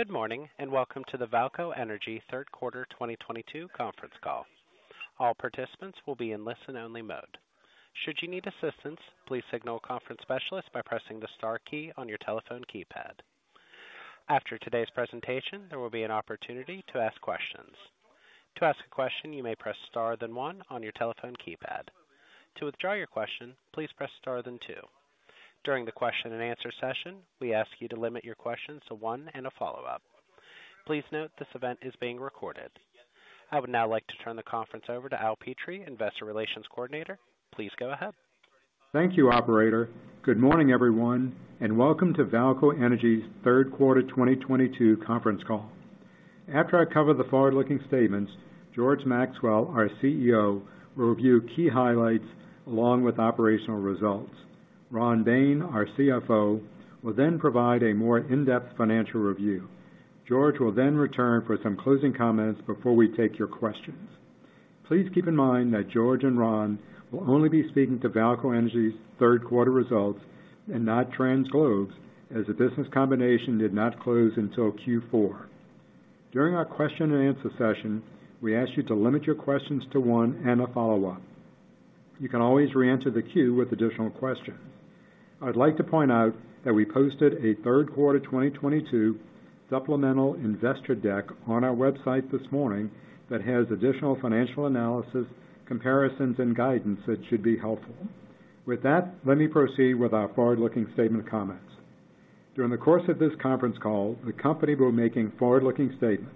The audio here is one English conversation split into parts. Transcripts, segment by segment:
Good morning, and welcome to the VAALCO Energy third quarter 2022 conference call. All participants will be in listen-only mode. Should you need assistance, please signal a conference specialist by pressing the star key on your telephone keypad. After today's presentation, there will be an opportunity to ask questions. To ask a question, you may press star then one on your telephone keypad. To withdraw your question, please press star then two. During the question and answer session, we ask you to limit your questions to one and a follow-up. Please note this event is being recorded. I would now like to turn the conference over to Al Petrie, Investor Relations Coordinator. Please go ahead. Thank you, operator. Good morning, everyone, and welcome to VAALCO Energy's third quarter 2022 conference call. After I cover the forward-looking statements, George Maxwell, our CEO, will review key highlights along with operational results. Ron Bain, our CFO, will then provide a more in-depth financial review. George will then return for some closing comments before we take your questions. Please keep in mind that George and Ron will only be speaking to VAALCO Energy's third quarter results and not TransGlobe as the business combination did not close until Q4. During our question and answer session, we ask you to limit your questions to one and a follow-up. You can always re-enter the queue with additional questions. I'd like to point out that we posted a third quarter 2022 supplemental investor deck on our website this morning that has additional financial analysis, comparisons, and guidance that should be helpful. With that, let me proceed with our forward-looking statement comments. During the course of this conference call, the company will be making forward-looking statements.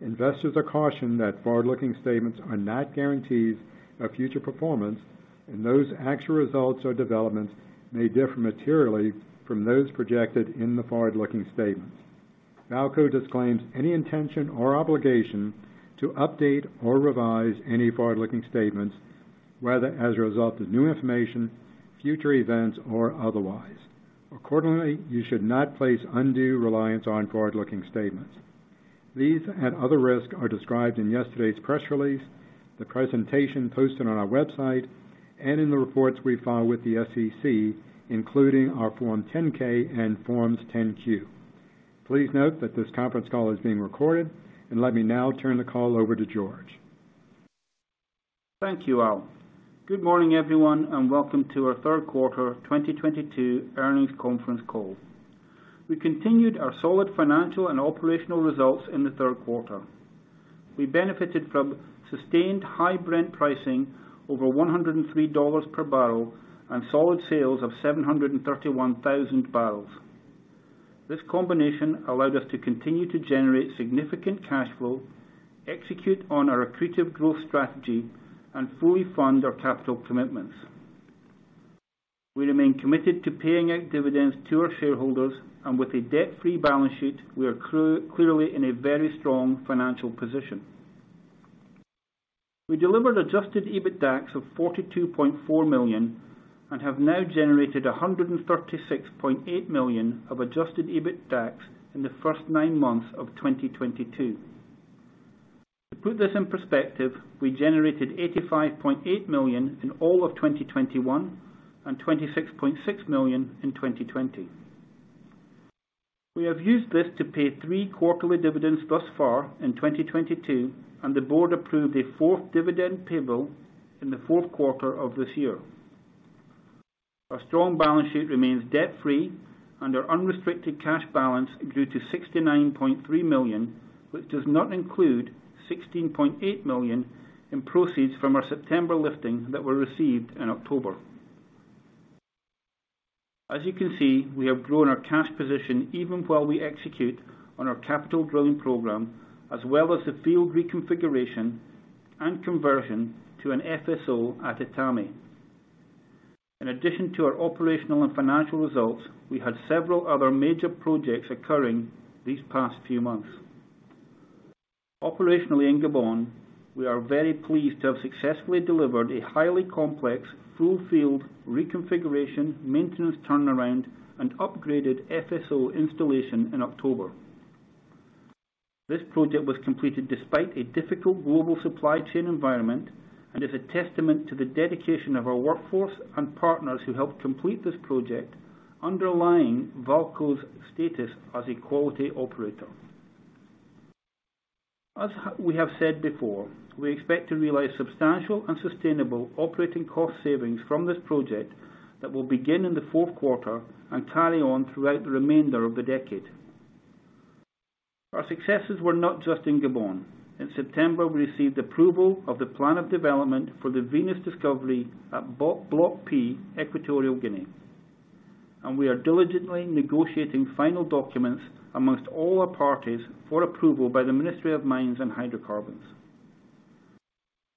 Investors are cautioned that forward-looking statements are not guarantees of future performance, and those actual results or developments may differ materially from those projected in the forward-looking statement. VAALCO disclaims any intention or obligation to update or revise any forward-looking statements, whether as a result of new information, future events, or otherwise. Accordingly, you should not place undue reliance on forward-looking statements. These and other risks are described in yesterday's press release, the presentation posted on our website, and in the reports we file with the SEC, including our Form 10-K and Forms 10-Q. Please note that this conference call is being recorded, and let me now turn the call over to George. Thank you, Al. Good morning, everyone, and welcome to our third quarter 2022 earnings conference call. We continued our solid financial and operational results in the third quarter. We benefited from sustained high Brent pricing over $103 per barrel and solid sales of 731,000 barrels. This combination allowed us to continue to generate significant cash flow, execute on our accretive growth strategy, and fully fund our capital commitments. We remain committed to paying out dividends to our shareholders, and with a debt-free balance sheet, we are clearly in a very strong financial position. We delivered adjusted EBITDAX of $42.4 million and have now generated $136.8 million of adjusted EBITDAX in the first nine months of 2022. To put this in perspective, we generated $85.8 million in all of 2021 and $26.6 million in 2020. We have used this to pay three quarterly dividends thus far in 2022, and the board approved a fourth dividend payable in the fourth quarter of this year. Our strong balance sheet remains debt-free, and our unrestricted cash balance grew to $69.3 million, which does not include $16.8 million in proceeds from our September lifting that were received in October. As you can see, we have grown our cash position even while we execute on our capital drilling program, as well as the field reconfiguration and conversion to an FSO at Etame. In addition to our operational and financial results, we had several other major projects occurring these past few months. Operationally in Gabon, we are very pleased to have successfully delivered a highly complex full field reconfiguration, maintenance turnaround, and upgraded FSO installation in October. This project was completed despite a difficult global supply chain environment and is a testament to the dedication of our workforce and partners who helped complete this project, underlying VAALCO's status as a quality operator. As we have said before, we expect to realize substantial and sustainable operating cost savings from this project that will begin in the fourth quarter and carry on throughout the remainder of the decade. Our successes were not just in Gabon. In September, we received approval of the plan of development for the Venus Discovery at Block P, Equatorial Guinea. We are diligently negotiating final documents among all our parties for approval by the Ministry of Mines and Hydrocarbons.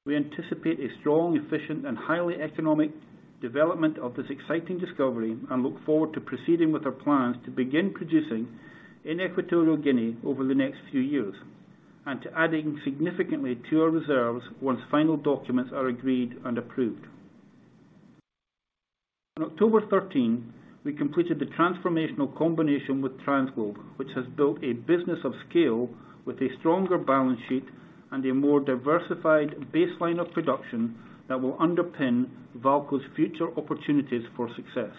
We anticipate a strong, efficient, and highly economic development of this exciting discovery and look forward to proceeding with our plans to begin producing in Equatorial Guinea over the next few years and to adding significantly to our reserves once final documents are agreed and approved. On October 13, we completed the transformational combination with TransGlobe, which has built a business of scale with a stronger balance sheet and a more diversified baseline of production that will underpin VAALCO's future opportunities for success.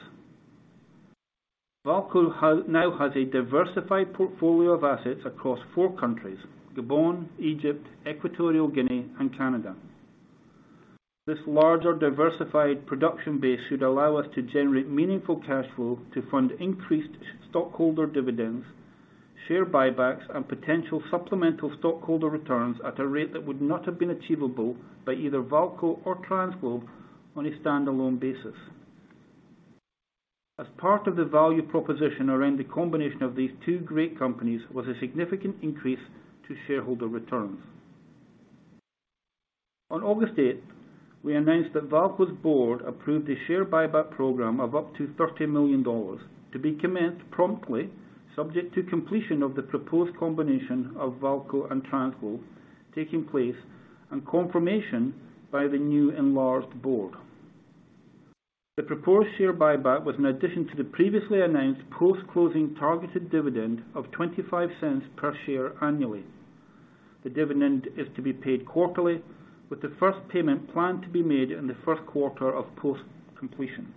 VAALCO now has a diversified portfolio of assets across four countries, Gabon, Egypt, Equatorial Guinea, and Canada. This larger diversified production base should allow us to generate meaningful cash flow to fund increased stockholder dividends, share buybacks, and potential supplemental stockholder returns at a rate that would not have been achievable by either VAALCO or TransGlobe on a standalone basis. As part of the value proposition around the combination of these two great companies was a significant increase to shareholder returns. On August 8th, we announced that VAALCO's board approved a share buyback program of up to $30 million to be commenced promptly, subject to completion of the proposed combination of VAALCO and TransGlobe taking place and confirmation by the new enlarged board. The proposed share buyback was an addition to the previously announced post-closing targeted dividend of $0.25 per share annually. The dividend is to be paid quarterly, with the first payment planned to be made in the first quarter of post completion.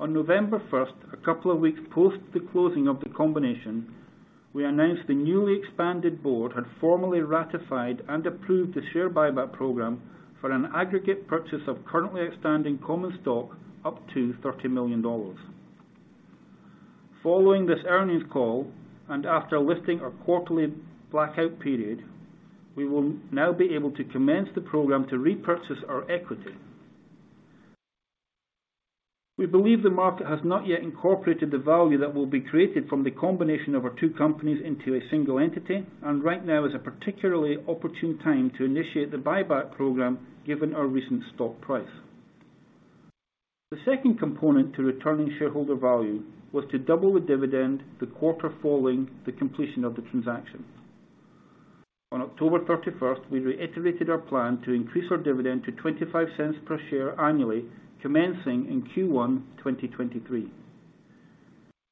On November first, a couple of weeks post the closing of the combination, we announced the newly expanded board had formally ratified and approved the share buyback program for an aggregate purchase of currently outstanding common stock up to $30 million. Following this earnings call and after lifting our quarterly blackout period, we will now be able to commence the program to repurchase our equity. We believe the market has not yet incorporated the value that will be created from the combination of our two companies into a single entity, and right now is a particularly opportune time to initiate the buyback program given our recent stock price. The second component to returning shareholder value was to double the dividend the quarter following the completion of the transaction. On October 31st, we reiterated our plan to increase our dividend to $0.25 per share annually, commencing in Q1 2023.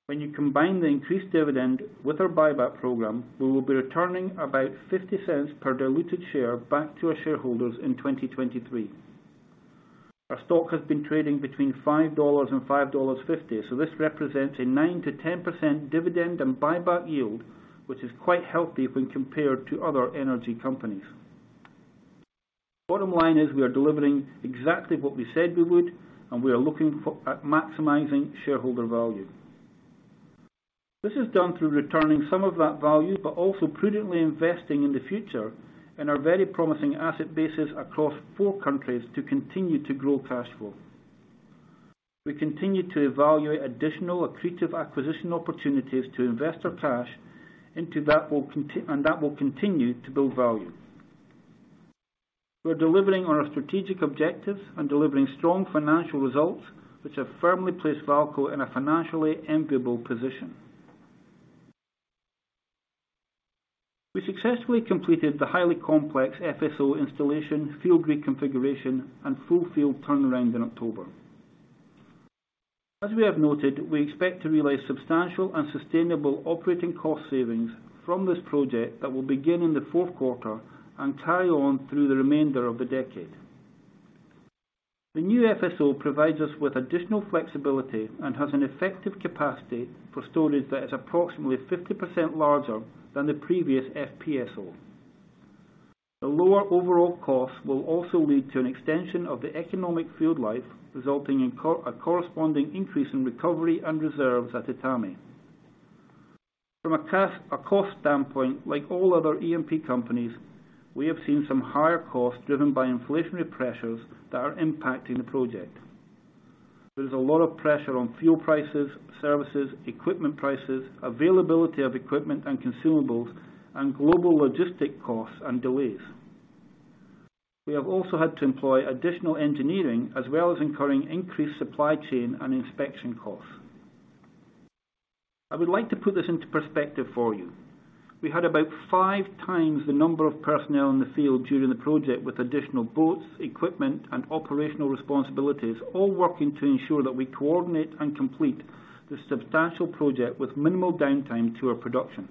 When you combine the increased dividend with our buyback program, we will be returning about $0.50 per diluted share back to our shareholders in 2023. Our stock has been trading between $5 and $5.50, so this represents a 9%-10% dividend and buyback yield, which is quite healthy when compared to other energy companies. Bottom line is we are delivering exactly what we said we would, and we are looking at maximizing shareholder value. This is done through returning some of that value, but also prudently investing in the future in our very promising asset bases across four countries to continue to grow cash flow. We continue to evaluate additional accretive acquisition opportunities to invest our cash into that will continue to build value. We are delivering on our strategic objectives and delivering strong financial results which have firmly placed VAALCO in a financially enviable position. We successfully completed the highly complex FSO installation, field reconfiguration, and full field turnaround in October. As we have noted, we expect to realize substantial and sustainable operating cost savings from this project that will begin in the fourth quarter and carry on through the remainder of the decade. The new FSO provides us with additional flexibility and has an effective capacity for storage that is approximately 50% larger than the previous FPSO. The lower overall cost will also lead to an extension of the economic field life, resulting in a corresponding increase in recovery and reserves at Etame. From a cost standpoint, like all other E&P companies, we have seen some higher costs driven by inflationary pressures that are impacting the project. There is a lot of pressure on fuel prices, services, equipment prices, availability of equipment and consumables, and global logistics costs and delays. We have also had to employ additional engineering as well as incurring increased supply chain and inspection costs. I would like to put this into perspective for you. We had about 5x the number of personnel in the field during the project with additional boats, equipment, and operational responsibilities, all working to ensure that we coordinate and complete this substantial project with minimal downtime to our production.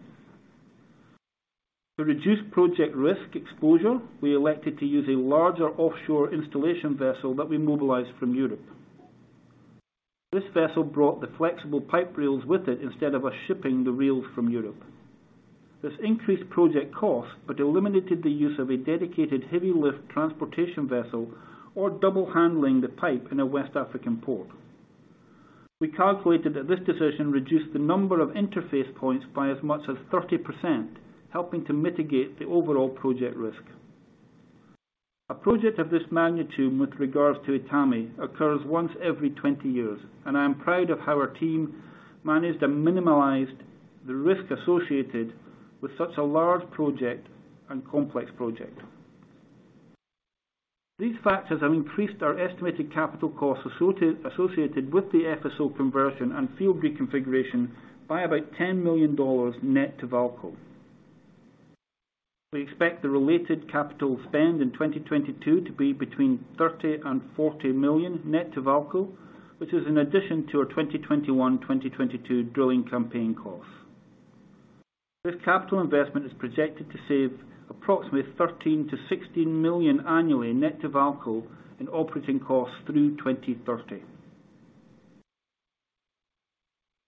To reduce project risk exposure, we elected to use a larger offshore installation vessel that we mobilized from Europe. This vessel brought the flexible pipe reels with it instead of us shipping the reels from Europe. This increased project costs but eliminated the use of a dedicated heavy lift transportation vessel or double handling the pipe in a West African port. We calculated that this decision reduced the number of interface points by as much as 30%, helping to mitigate the overall project risk. A project of this magnitude with regards to Etame occurs once every 20 years, and I am proud of how our team managed and minimized the risk associated with such a large project and complex project. These factors have increased our estimated capital costs associated with the FSO conversion and field reconfiguration by about $10 million net to VAALCO. We expect the related capital spend in 2022 to be between $30 million and $40 million net to VAALCO, which is an addition to our 2021-2022 drilling campaign costs. This capital investment is projected to save approximately $13 million-$16 million annually net to VAALCO in operating costs through 2030.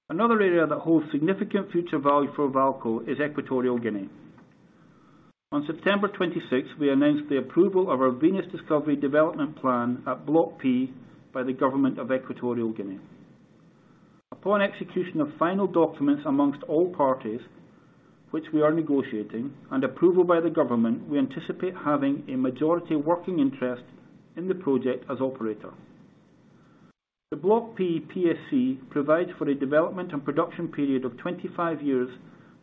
Another area that holds significant future value for VAALCO is Equatorial Guinea. On September 26th, we announced the approval of our Venus Discovery development plan at Block P by the government of Equatorial Guinea. Upon execution of final documents amongst all parties, which we are negotiating, and approval by the government, we anticipate having a majority working interest in the project as operator. The Block P PSC provides for a development and production period of 25 years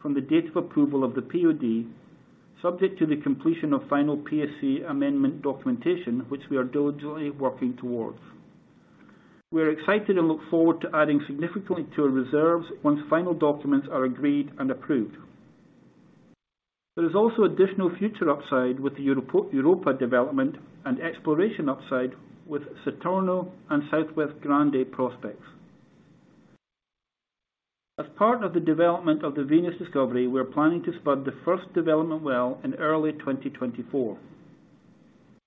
from the date of approval of the POD, subject to the completion of final PSC amendment documentation, which we are diligently working towards. We are excited and look forward to adding significantly to our reserves once final documents are agreed and approved. There is also additional future upside with the Europa development and exploration upside with Saturno and Southwest Grande prospects. As part of the development of the Venus discovery, we're planning to spud the first development well in early 2024.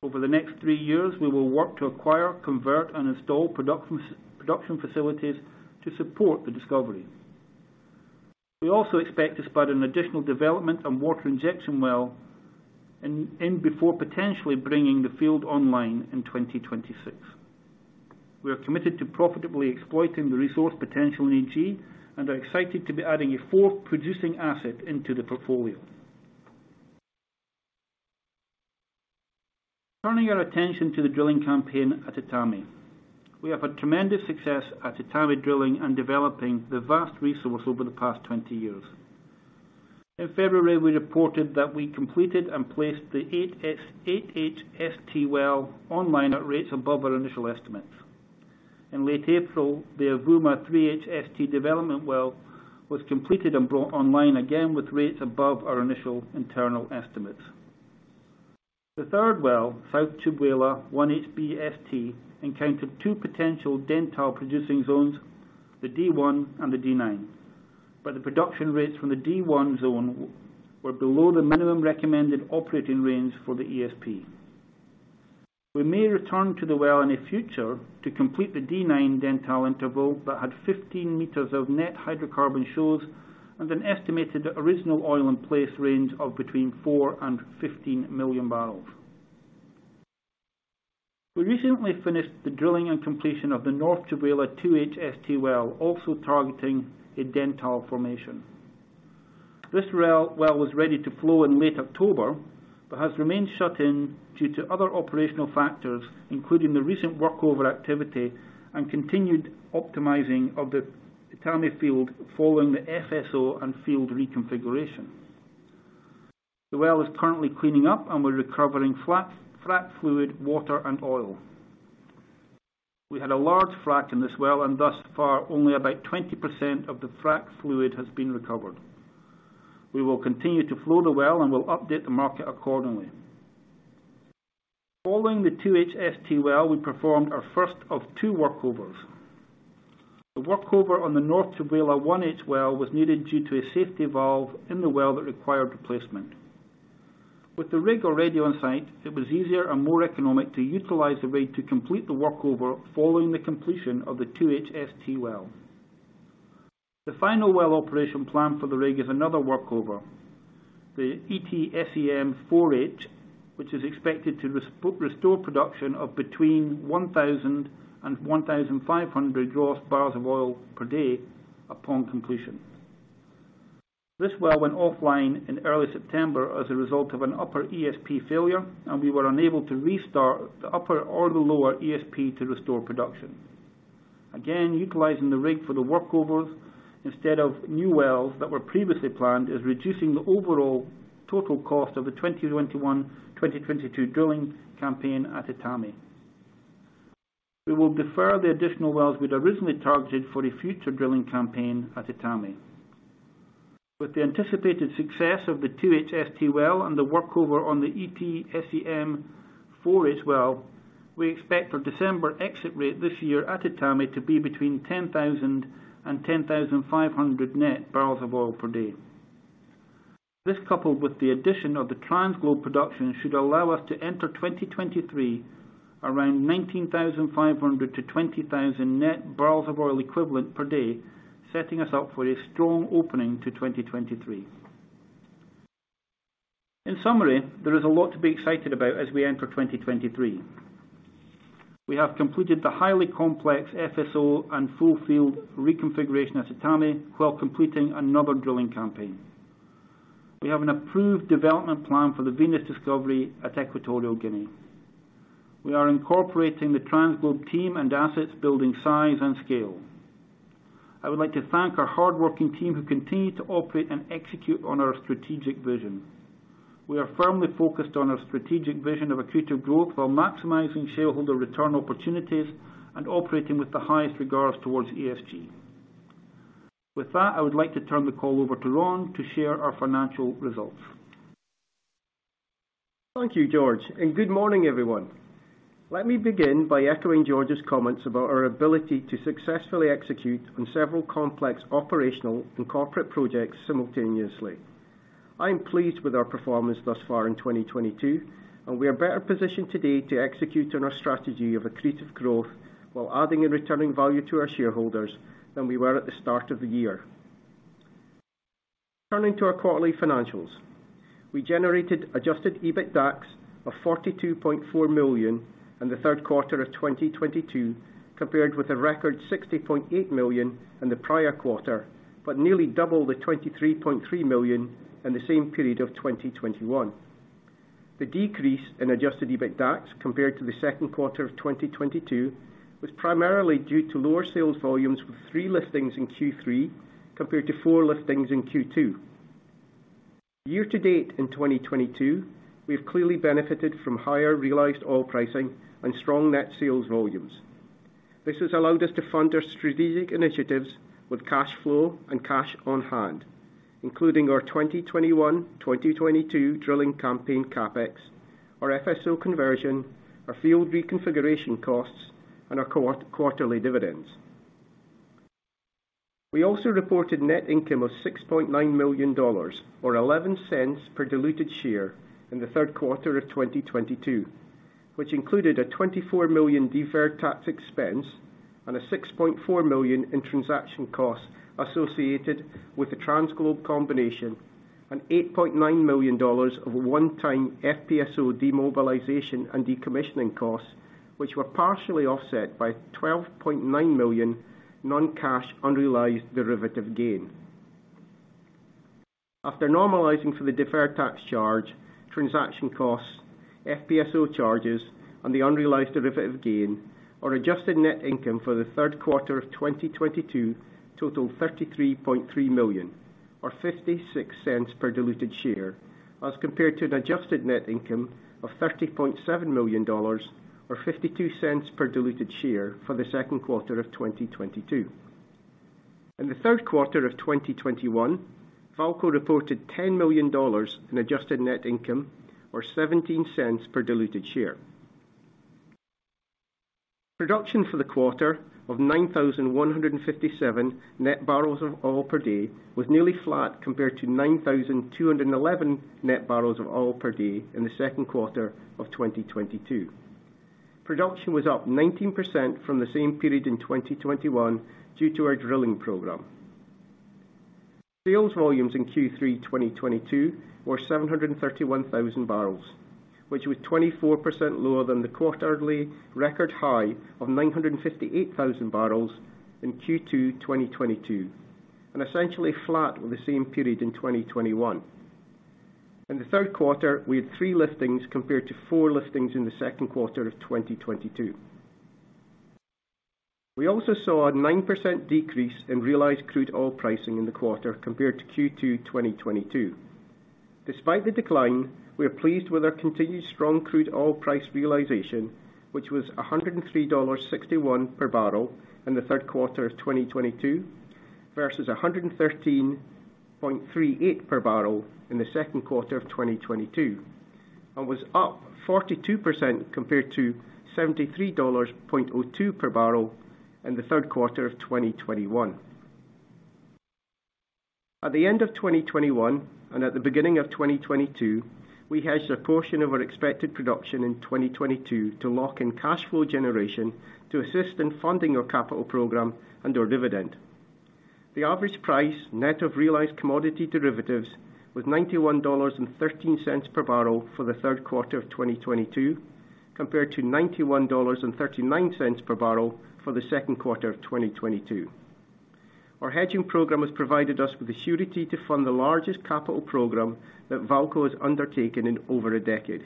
Over the next three years, we will work to acquire, convert, and install production facilities to support the discovery. We also expect to spud an additional development and water injection well in before potentially bringing the field online in 2026. We are committed to profitably exploiting the resource potential in EG and are excited to be adding a fourth producing asset into the portfolio. Turning our attention to the drilling campaign at Etame. We have had tremendous success at Etame drilling and developing the vast resource over the past 20 years. In February, we reported that we completed and placed the 8H-ST well online at rates above our initial estimates. In late April, the Ebouri 3H-ST development well was completed and brought online again with rates above our initial internal estimates. The third well, South Tchibala 1H-BST, encountered two potential Dentale producing zones, the D1 and the D9. The production rates from the D1 zone were below the minimum recommended operating range for the ESP. We may return to the well in the future to complete the D9 Dentale interval that had 15 meters of net hydrocarbon shows and an estimated original oil in place range of between 4 and 15 million barrels. We recently finished the drilling and completion of the North Tchibala 2H-ST well, also targeting a Dentale formation. This well was ready to flow in late October, but has remained shut in due to other operational factors, including the recent workover activity and continued optimizing of the Etame field following the FSO and field reconfiguration. The well is currently cleaning up and we're recovering frac fluid, water and oil. We had a large frac in this well, and thus far, only about 20% of the frac fluid has been recovered. We will continue to flow the well and will update the market accordingly. Following the 2H-ST well, we performed our first of two workovers. The workover on the North Tchibala 1H well was needed due to a safety valve in the well that required replacement. With the rig already on site, it was easier and more economic to utilize the rig to complete the workover following the completion of the 2H-ST well. The final well operation plan for the rig is another workover, the ETSEM-4H, which is expected to restore production of between 1,000 and 1,500 gross barrels of oil per day upon completion. This well went offline in early September as a result of an upper ESP failure, and we were unable to restart the upper or the lower ESP to restore production. Again, utilizing the rig for the workovers instead of new wells that were previously planned is reducing the overall total cost of the 2021/2022 drilling campaign at Etame. We will defer the additional wells we'd originally targeted for a future drilling campaign at Etame. With the anticipated success of the 2H-ST well and the workover on the SE Etame-4H well, we expect our December exit rate this year at Etame to be between 10,000 and 10,500 net barrels of oil per day. This, coupled with the addition of the TransGlobe production, should allow us to enter 2023 around 19,500-20,000 net barrels of oil equivalent per day, setting us up for a strong opening to 2023. In summary, there is a lot to be excited about as we enter 2023. We have completed the highly complex FSO and full field reconfiguration at Etame while completing another drilling campaign. We have an approved development plan for the Venus discovery at Equatorial Guinea. We are incorporating the TransGlobe team and assets, building size and scale. I would like to thank our hardworking team who continue to operate and execute on our strategic vision. We are firmly focused on our strategic vision of accretive growth while maximizing shareholder return opportunities and operating with the highest regards towards ESG. With that, I would like to turn the call over to Ron to share our financial results. Thank you, George, and good morning, everyone. Let me begin by echoing George's comments about our ability to successfully execute on several complex operational and corporate projects simultaneously. I am pleased with our performance thus far in 2022, and we are better positioned today to execute on our strategy of accretive growth while adding and returning value to our shareholders than we were at the start of the year. Turning to our quarterly financials. We generated adjusted EBITDAX of $42.4 million in the third quarter of 2022, compared with a record $60.8 million in the prior quarter, but nearly double the $23.3 million in the same period of 2021. The decrease in adjusted EBITDAX compared to the second quarter of 2022 was primarily due to lower sales volumes with three liftings in Q3 compared to four liftings in Q2. Year to date in 2022, we have clearly benefited from higher realized oil pricing and strong net sales volumes. This has allowed us to fund our strategic initiatives with cash flow and cash on hand, including our 2021, 2022 drilling campaign CapEx, our FSO conversion, our field reconfiguration costs, and our quarterly dividends. We also reported net income of $6.9 million or $0.11 per diluted share in the third quarter of 2022, which included a $24 million deferred tax expense and a $6.4 million in transaction costs associated with the TransGlobe combination and $8.9 million of one-time FPSO demobilization and decommissioning costs, which were partially offset by $12.9 million non-cash unrealized derivative gain. After normalizing for the deferred tax charge, transaction costs, FPSO charges, and the unrealized derivative gain, our adjusted net income for the third quarter of 2022 totaled $33.3 million or $0.56 per diluted share, as compared to an adjusted net income of $30.7 million or $0.52 per diluted share for the second quarter of 2022. In the third quarter of 2021, VAALCO reported $10 million in adjusted net income or $0.17 per diluted share. Production for the quarter of 9,157 net barrels of oil per day was nearly flat compared to 9,211 net barrels of oil per day in the second quarter of 2022. Production was up 19% from the same period in 2021 due to our drilling program. Sales volumes in Q3 2022 were 731,000 barrels, which was 24% lower than the quarterly record high of 958,000 barrels in Q2 2022, and essentially flat with the same period in 2021. In the third quarter, we had three liftings compared to four liftings in the second quarter of 2022. We also saw a 9% decrease in realized crude oil pricing in the quarter compared to Q2 2022. Despite the decline, we are pleased with our continued strong crude oil price realization, which was $103.61 per barrel in the third quarter of 2022 versus $113.38 per barrel in the second quarter of 2022, and was up 42% compared to $73.02 per barrel in the third quarter of 2021. At the end of 2021 and at the beginning of 2022, we hedged a portion of our expected production in 2022 to lock in cash flow generation to assist in funding our capital program and our dividend. The average price net of realized commodity derivatives was $91.13 per barrel for the third quarter of 2022, compared to $91.39 per barrel for the second quarter of 2022. Our hedging program has provided us with the surety to fund the largest capital program that VAALCO has undertaken in over a decade.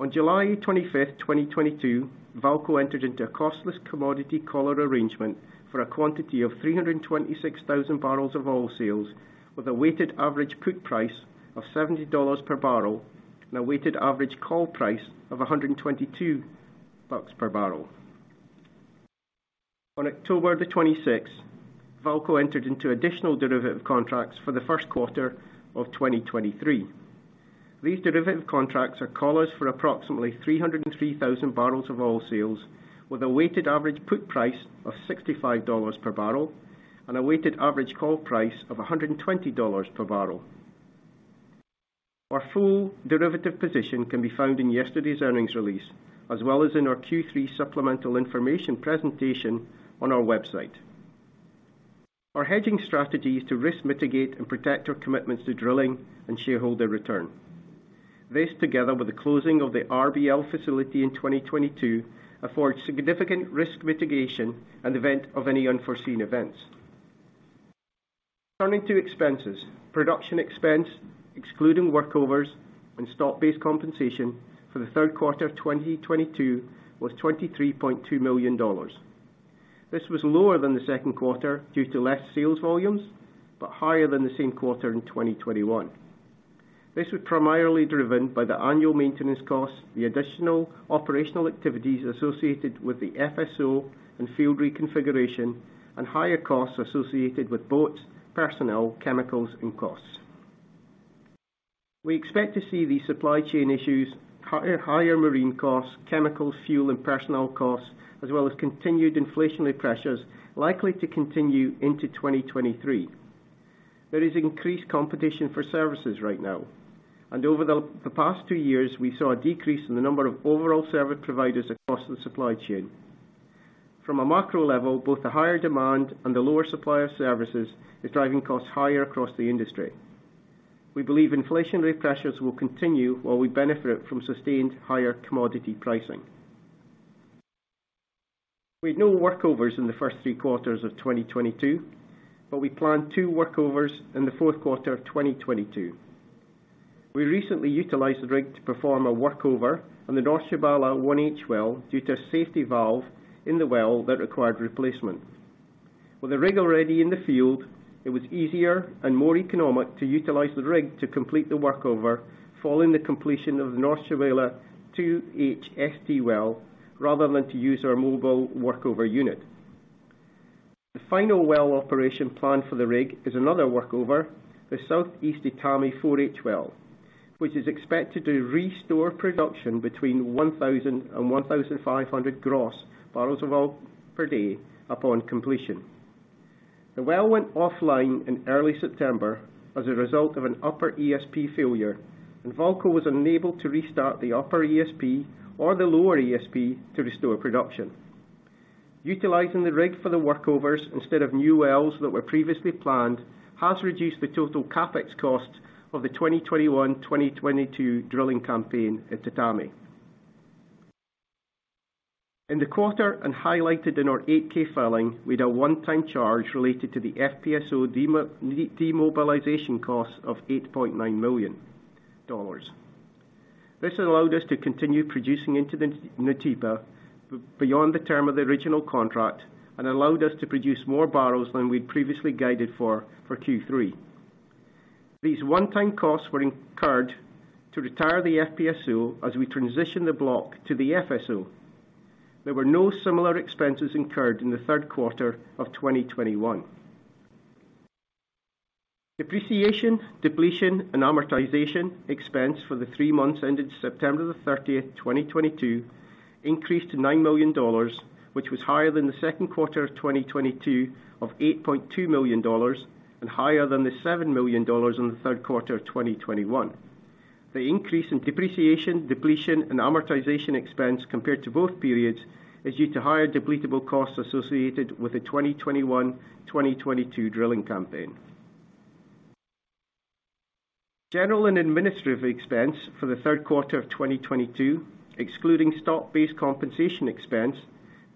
On July 25th, 2022, VAALCO entered into a costless commodity collar arrangement for a quantity of 326,000 barrels of oil sales with a weighted average put price of $70 per barrel and a weighted average call price of $122 per barrel. On October 26th, 2022, VAALCO entered into additional derivative contracts for the first quarter of 2023. These derivative contracts are collars for approximately 303,000 barrels of oil sales with a weighted average put price of $65 per barrel and a weighted average call price of $120 per barrel. Our full derivative position can be found in yesterday's earnings release, as well as in our Q3 supplemental information presentation on our website. Our hedging strategy is to risk mitigate and protect our commitments to drilling and shareholder return. This together with the closing of the RBL facility in 2022, affords significant risk mitigation in the event of any unforeseen events. Turning to expenses, production expense, excluding workovers and stock-based compensation for the third quarter of 2022 was $23.2 million. This was lower than the second quarter due to less sales volumes, but higher than the same quarter in 2021. This was primarily driven by the annual maintenance costs, the additional operational activities associated with the FSO and field reconfiguration, and higher costs associated with boats, personnel, chemicals, and costs. We expect to see these supply chain issues, higher marine costs, chemicals, fuel and personnel costs, as well as continued inflationary pressures likely to continue into 2023. There is increased competition for services right now, and over the past two years, we saw a decrease in the number of overall service providers across the supply chain. From a macro level, both the higher demand and the lower supply of services is driving costs higher across the industry. We believe inflationary pressures will continue while we benefit from sustained higher commodity pricing. We had no workovers in the first three quarters of 2022, but we plan two workovers in the fourth quarter of 2022. We recently utilized the rig to perform a workover on the North Tchibala 1H well due to a safety valve in the well that required replacement. With the rig already in the field, it was easier and more economic to utilize the rig to complete the workover following the completion of the North Tchibala 2H-ST well rather than to use our mobile workover unit. The final well operation plan for the rig is another workover, the Southeast Etame 4H well, which is expected to restore production between 1,000 and 1,500 gross barrels of oil per day upon completion. The well went offline in early September as a result of an upper ESP failure, and VAALCO was unable to restart the upper ESP or the lower ESP to restore production. Utilizing the rig for the workovers instead of new wells that were previously planned has reduced the total CapEx cost of the 2021, 2022 drilling campaign at Etame. In the quarter and highlighted in our 8-K filing, we had a one-time charge related to the FPSO demobilization costs of $8.9 million. This allowed us to continue producing into the Petróleo Nautipa beyond the term of the original contract and allowed us to produce more barrels than we'd previously guided for Q3. These one-time costs were incurred to retire the FPSO as we transition the block to the FSO. There were no similar expenses incurred in the third quarter of 2021. Depreciation, depletion, and amortization expense for the three months ended September 30th, 2022 increased to $9 million, which was higher than the second quarter of 2022 of $8.2 million and higher than the $7 million in the third quarter of 2021. The increase in depreciation, depletion, and amortization expense compared to both periods is due to higher depletable costs associated with the 2021/2022 drilling campaign. General and administrative expense for the third quarter of 2022, excluding stock-based compensation expense,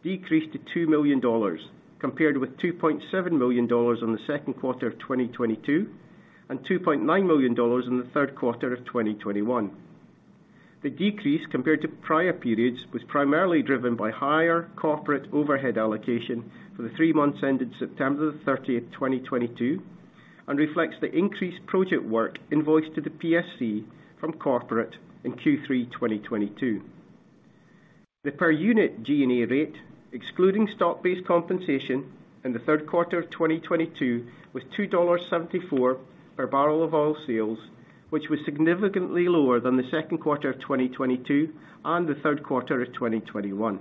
decreased to $2 million, compared with $2.7 million in the second quarter of 2022 and $2.9 million in the third quarter of 2021. The decrease compared to prior periods was primarily driven by higher corporate overhead allocation for the three months ended September 30th, 2022, and reflects the increased project work invoiced to the PSC from corporate in Q3 2022. The per unit G&A rate, excluding stock-based compensation in the third quarter of 2022 was $2.74 per barrel of oil sales, which was significantly lower than the second quarter of 2022 and the third quarter of 2021.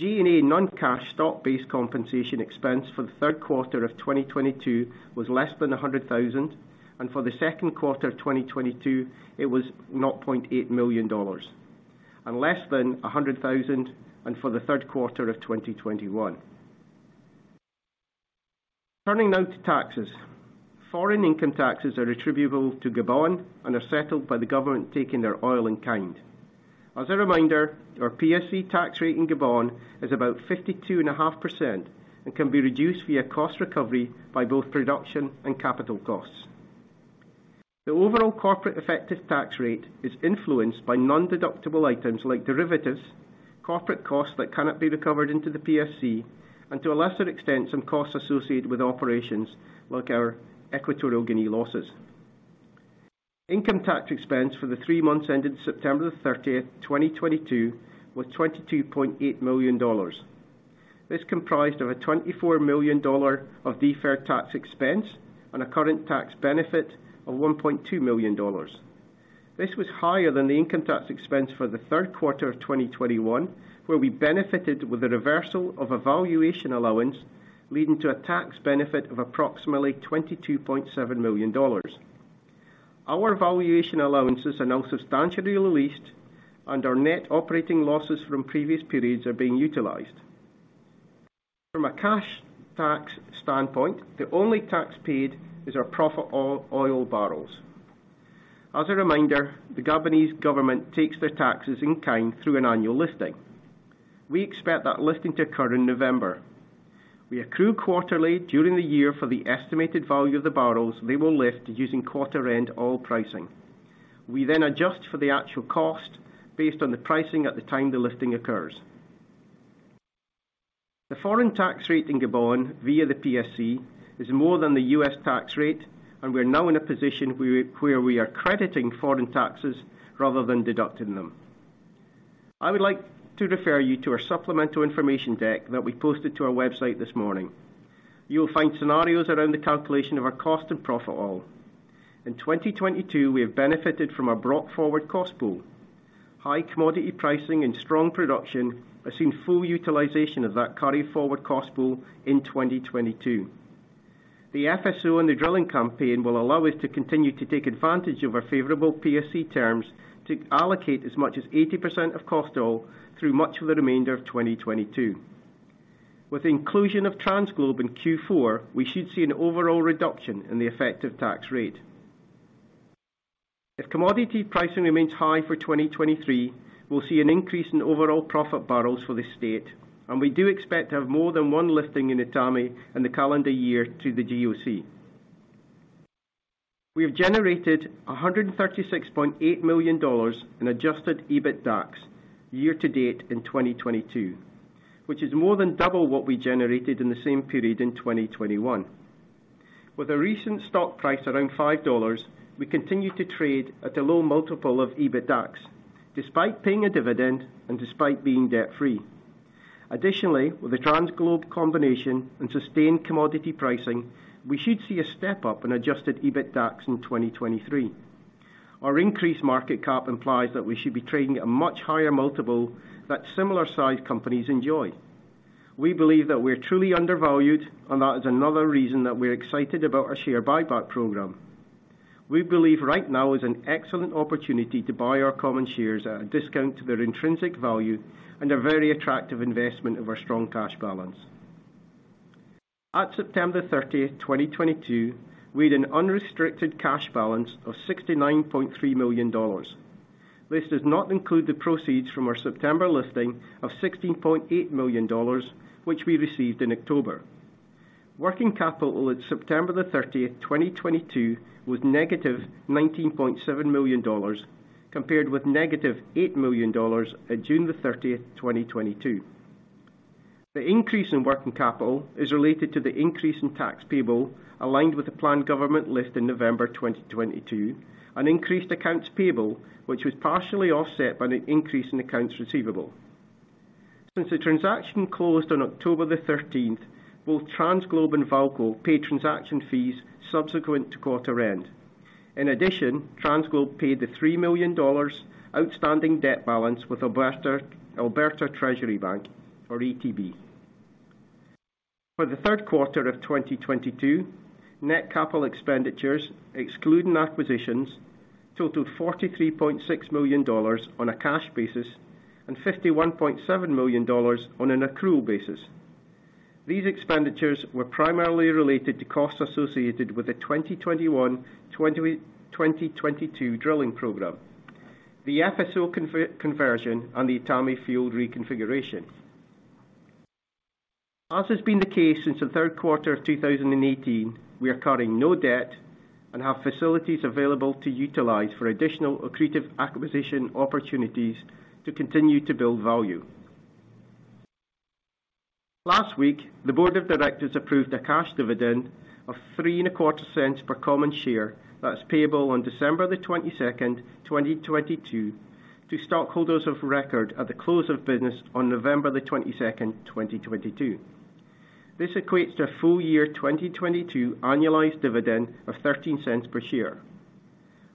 G&A non-cash stock-based compensation expense for the third quarter of 2022 was less than $100,000, and for the second quarter of 2022, it was $0.8 million, and less than $100,000 and for the third quarter of 2021. Turning now to taxes. Foreign income taxes are attributable to Gabon and are settled by the government taking their oil in kind. As a reminder, our PSC tax rate in Gabon is about 52.5% and can be reduced via cost recovery by both production and capital costs. The overall corporate effective tax rate is influenced by non-deductible items like derivatives, corporate costs that cannot be recovered into the PSC, and to a lesser extent, some costs associated with operations like our Equatorial Guinea losses. Income tax expense for the three months ended September 30th, 2022 was $22.8 million. This comprised of a $24 million of deferred tax expense and a current tax benefit of $1.2 million. This was higher than the income tax expense for the third quarter of 2021, where we benefited with the reversal of a valuation allowance leading to a tax benefit of approximately $22.7 million. Our valuation allowances are now substantially released, and our net operating losses from previous periods are being utilized. From a cash tax standpoint, the only tax paid is our profit oil barrels. As a reminder, the Gabonese government takes their taxes in kind through an annual lifting. We expect that lifting to occur in November. We accrue quarterly during the year for the estimated value of the barrels they will lift using quarter-end oil pricing. We then adjust for the actual cost based on the pricing at the time the lifting occurs. The foreign tax rate in Gabon via the PSC is more than the U.S. tax rate, and we are now in a position where we are crediting foreign taxes rather than deducting them. I would like to refer you to our supplemental information deck that we posted to our website this morning. You will find scenarios around the calculation of our cost and profit oil. In 2022, we have benefited from our brought forward cost pool. High commodity pricing and strong production have seen full utilization of that carried forward cost pool in 2022. The FSO and the drilling campaign will allow us to continue to take advantage of our favorable PSC terms to allocate as much as 80% of cost oil through much of the remainder of 2022. With the inclusion of TransGlobe in Q4, we should see an overall reduction in the effective tax rate. If commodity pricing remains high for 2023, we'll see an increase in overall profit barrels for the state, and we do expect to have more than one lifting unit at Etame in the calendar year through the GOC. We have generated $136.8 million in adjusted EBITDAX year to date in 2022, which is more than double what we generated in the same period in 2021. With a recent stock price around $5, we continue to trade at a low multiple of EBITDAX despite paying a dividend and despite being debt-free. Additionally, with the TransGlobe combination and sustained commodity pricing, we should see a step up in adjusted EBITDAX in 2023. Our increased market cap implies that we should be trading at a much higher multiple that similar-sized companies enjoy. We believe that we're truly undervalued, and that is another reason that we're excited about our share buyback program. We believe right now is an excellent opportunity to buy our common shares at a discount to their intrinsic value and a very attractive investment of our strong cash balance. At September 30th, 2022, we had an unrestricted cash balance of $69.3 million. This does not include the proceeds from our September listing of $16.8 million, which we received in October. Working capital at September 30th, 2022 was -$19.7 million, compared with -$8 million at June 30th, 2022. The increase in working capital is related to the increase in tax payable, aligned with the planned government list in November 2022, and increased accounts payable, which was partially offset by the increase in accounts receivable. Since the transaction closed on October 13th, both TransGlobe and VAALCO paid transaction fees subsequent to quarter end. In addition, TransGlobe paid the $3 million outstanding debt balance with Alberta Treasury Branches, or ATB. For the third quarter of 2022, net capital expenditures, excluding acquisitions, totaled $43.6 million on a cash basis and $51.7 million on an accrual basis. These expenditures were primarily related to costs associated with the 2021, 2022 drilling program, the FSO conversion, and the Etame field reconfiguration. As has been the case since the third quarter of 2018, we are carrying no debt and have facilities available to utilize for additional accretive acquisition opportunities to continue to build value. Last week, the board of directors approved a cash dividend of $0.0325 per common share that is payable on December 22nd, 2022 to stockholders of record at the close of business on November 22, 2022. This equates to a full year 2022 annualized dividend of $0.13 per share.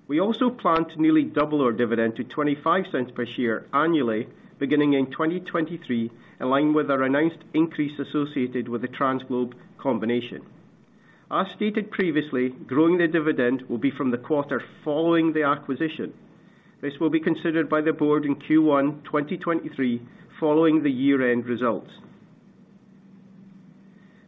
We also plan to nearly double our dividend to $0.25 per share annually, beginning in 2023, in line with our announced increase associated with the TransGlobe combination. As stated previously, growing the dividend will be from the quarter following the acquisition. This will be considered by the board in Q1, 2023 following the year-end results.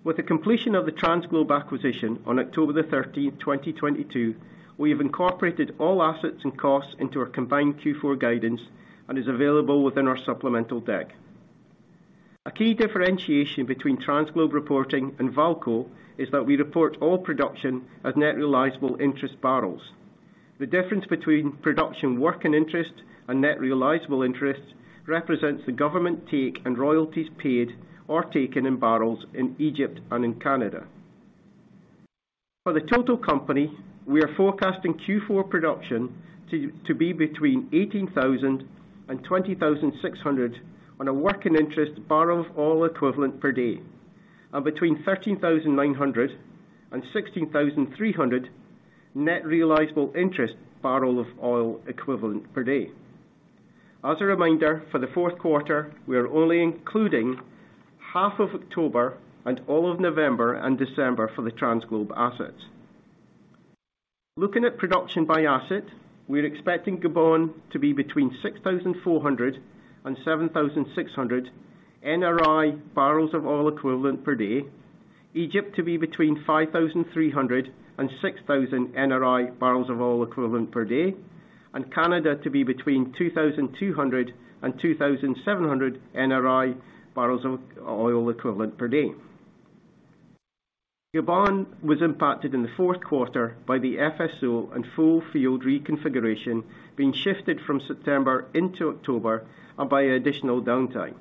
With the completion of the TransGlobe acquisition on October 13th, 2022, we have incorporated all assets and costs into our combined Q4 guidance and is available within our supplemental deck. A key differentiation between TransGlobe reporting and VAALCO is that we report all production as net realizable interest barrels. The difference between production working interest and net realizable interest represents the government take and royalties paid or taken in barrels in Egypt and in Canada. For the total company, we are forecasting Q4 production to be between 18,000 and 20,600 on a working interest barrel of oil equivalent per day, and between 13,900 and 16,300 net realizable interest barrel of oil equivalent per day. As a reminder, for the fourth quarter, we are only including half of October and all of November and December for the TransGlobe assets. Looking at production by asset, we are expecting Gabon to be between 6,400 and 7,600 NRI barrels of oil equivalent per day, Egypt to be between 5,300 and 6,000 NRI barrels of oil equivalent per day, and Canada to be between 2,200 and 2,700 NRI barrels of oil equivalent per day. Gabon was impacted in the fourth quarter by the FSO and full field reconfiguration being shifted from September into October and by additional downtime.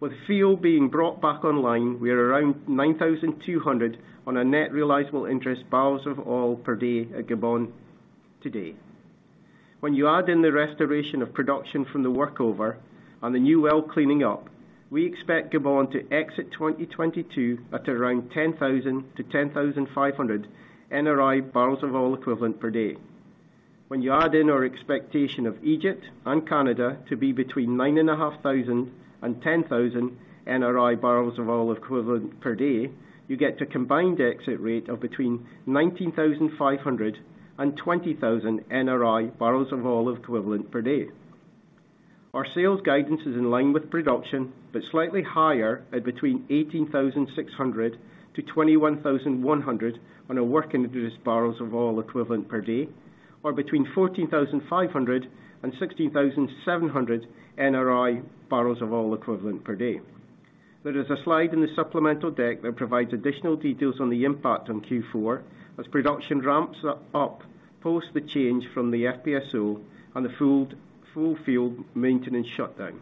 With field being brought back online, we are around 9,200 on a net revenue interest barrels of oil per day at Gabon today. When you add in the restoration of production from the workover and the new well cleaning up, we expect Gabon to exit 2022 at around 10,000-10,500 NRI barrels of oil equivalent per day. When you add in our expectation of Egypt and Canada to be between 9,500 and 10,000 NRI barrels of oil equivalent per day, you get a combined exit rate of between 19,500 and 20,000 NRI barrels of oil equivalent per day. Our sales guidance is in line with production, but slightly higher at between 18,600 to 21,100 on a working interest barrels of oil equivalent per day, or between 14,500 and 16,700 NRI barrels of oil equivalent per day. There is a slide in the supplemental deck that provides additional details on the impact on Q4 as production ramps up, post the change from the FPSO and the full field maintenance shutdown.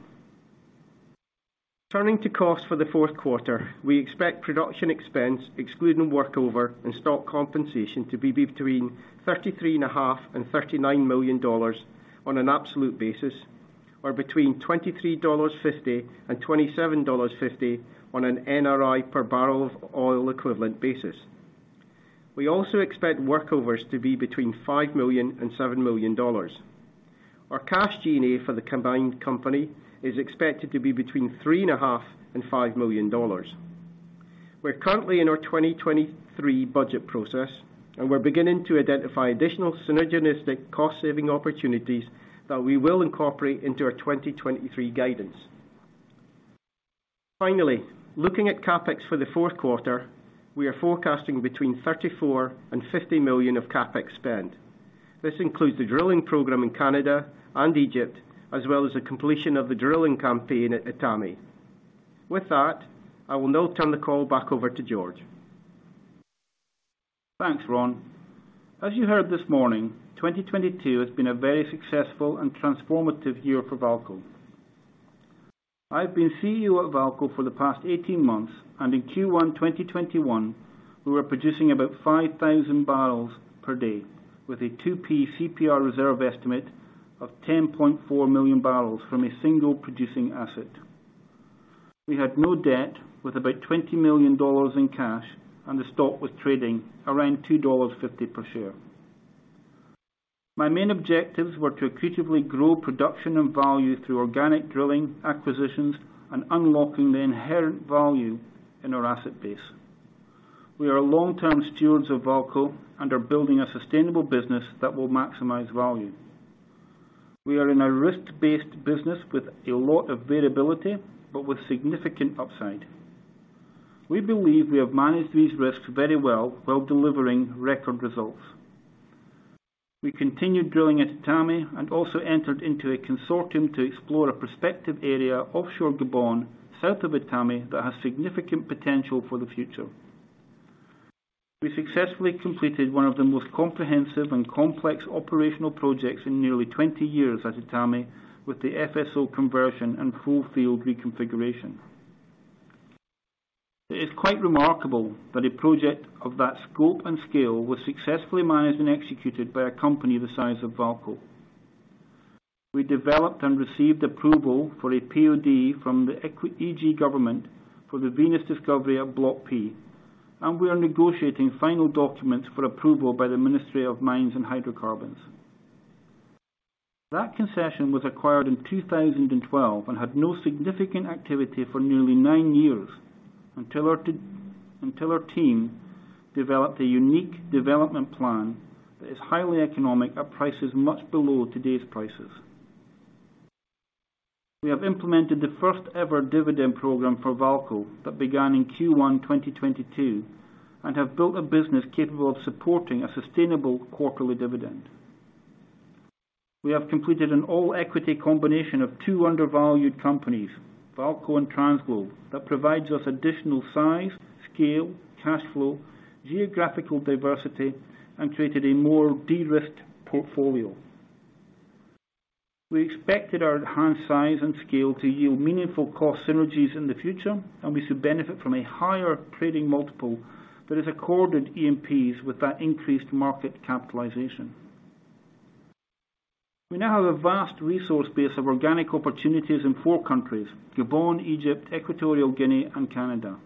Turning to costs for the fourth quarter, we expect production expense excluding workover and stock compensation to be between $33.5 million and $39 million on an absolute basis, or between $23.50 and $27.50 on an NRI per barrel of oil equivalent basis. We also expect workovers to be between $5 million and $7 million. Our cash G&A for the combined company is expected to be between $3.5 million and $5 million. We're currently in our 2023 budget process, and we're beginning to identify additional synergistic cost saving opportunities that we will incorporate into our 2023 guidance. Finally, looking at CapEx for the fourth quarter, we are forecasting between $34 million and $50 million of CapEx spend. This includes the drilling program in Canada and Egypt, as well as the completion of the drilling campaign at Etame. With that, I will now turn the call back over to George. Thanks, Ron. As you heard this morning, 2022 has been a very successful and transformative year for VAALCO. I've been CEO at VAALCO for the past 18 months, and in Q1 2021, we were producing about 5,000 barrels per day with a 2P CPR reserve estimate of 10.4 million barrels from a single producing asset. We had no debt with about $20 million in cash, and the stock was trading around $2.50 per share. My main objectives were to accretively grow production and value through organic drilling acquisitions and unlocking the inherent value in our asset base. We are long-term stewards of VAALCO and are building a sustainable business that will maximize value. We are in a risk-based business with a lot of variability, but with significant upside. We believe we have managed these risks very well while delivering record results. We continued drilling at Etame and also entered into a consortium to explore a prospective area offshore Gabon, south of Etame, that has significant potential for the future. We successfully completed one of the most comprehensive and complex operational projects in nearly 20 years at Etame with the FSO conversion and full field reconfiguration. It is quite remarkable that a project of that scope and scale was successfully managed and executed by a company the size of VAALCO. We developed and received approval for a POD from the Equatorial Guinea government for the Venus discovery at Block P, and we are negotiating final documents for approval by the Ministry of Mines and Hydrocarbons. That concession was acquired in 2012 and had no significant activity for nearly nine years until our team developed a unique development plan that is highly economic at prices much below today's prices. We have implemented the first ever dividend program for VAALCO that began in Q1 2022 and have built a business capable of supporting a sustainable quarterly dividend. We have completed an all-equity combination of two undervalued companies, VAALCO and TransGlobe, that provides us additional size, scale, cash flow, geographical diversity, and created a more de-risked portfolio. We expected our enhanced size and scale to yield meaningful cost synergies in the future, and we should benefit from a higher trading multiple that is accorded E&Ps with that increased market capitalization. We now have a vast resource base of organic opportunities in four countries, Gabon, Egypt, Equatorial Guinea, and Canada.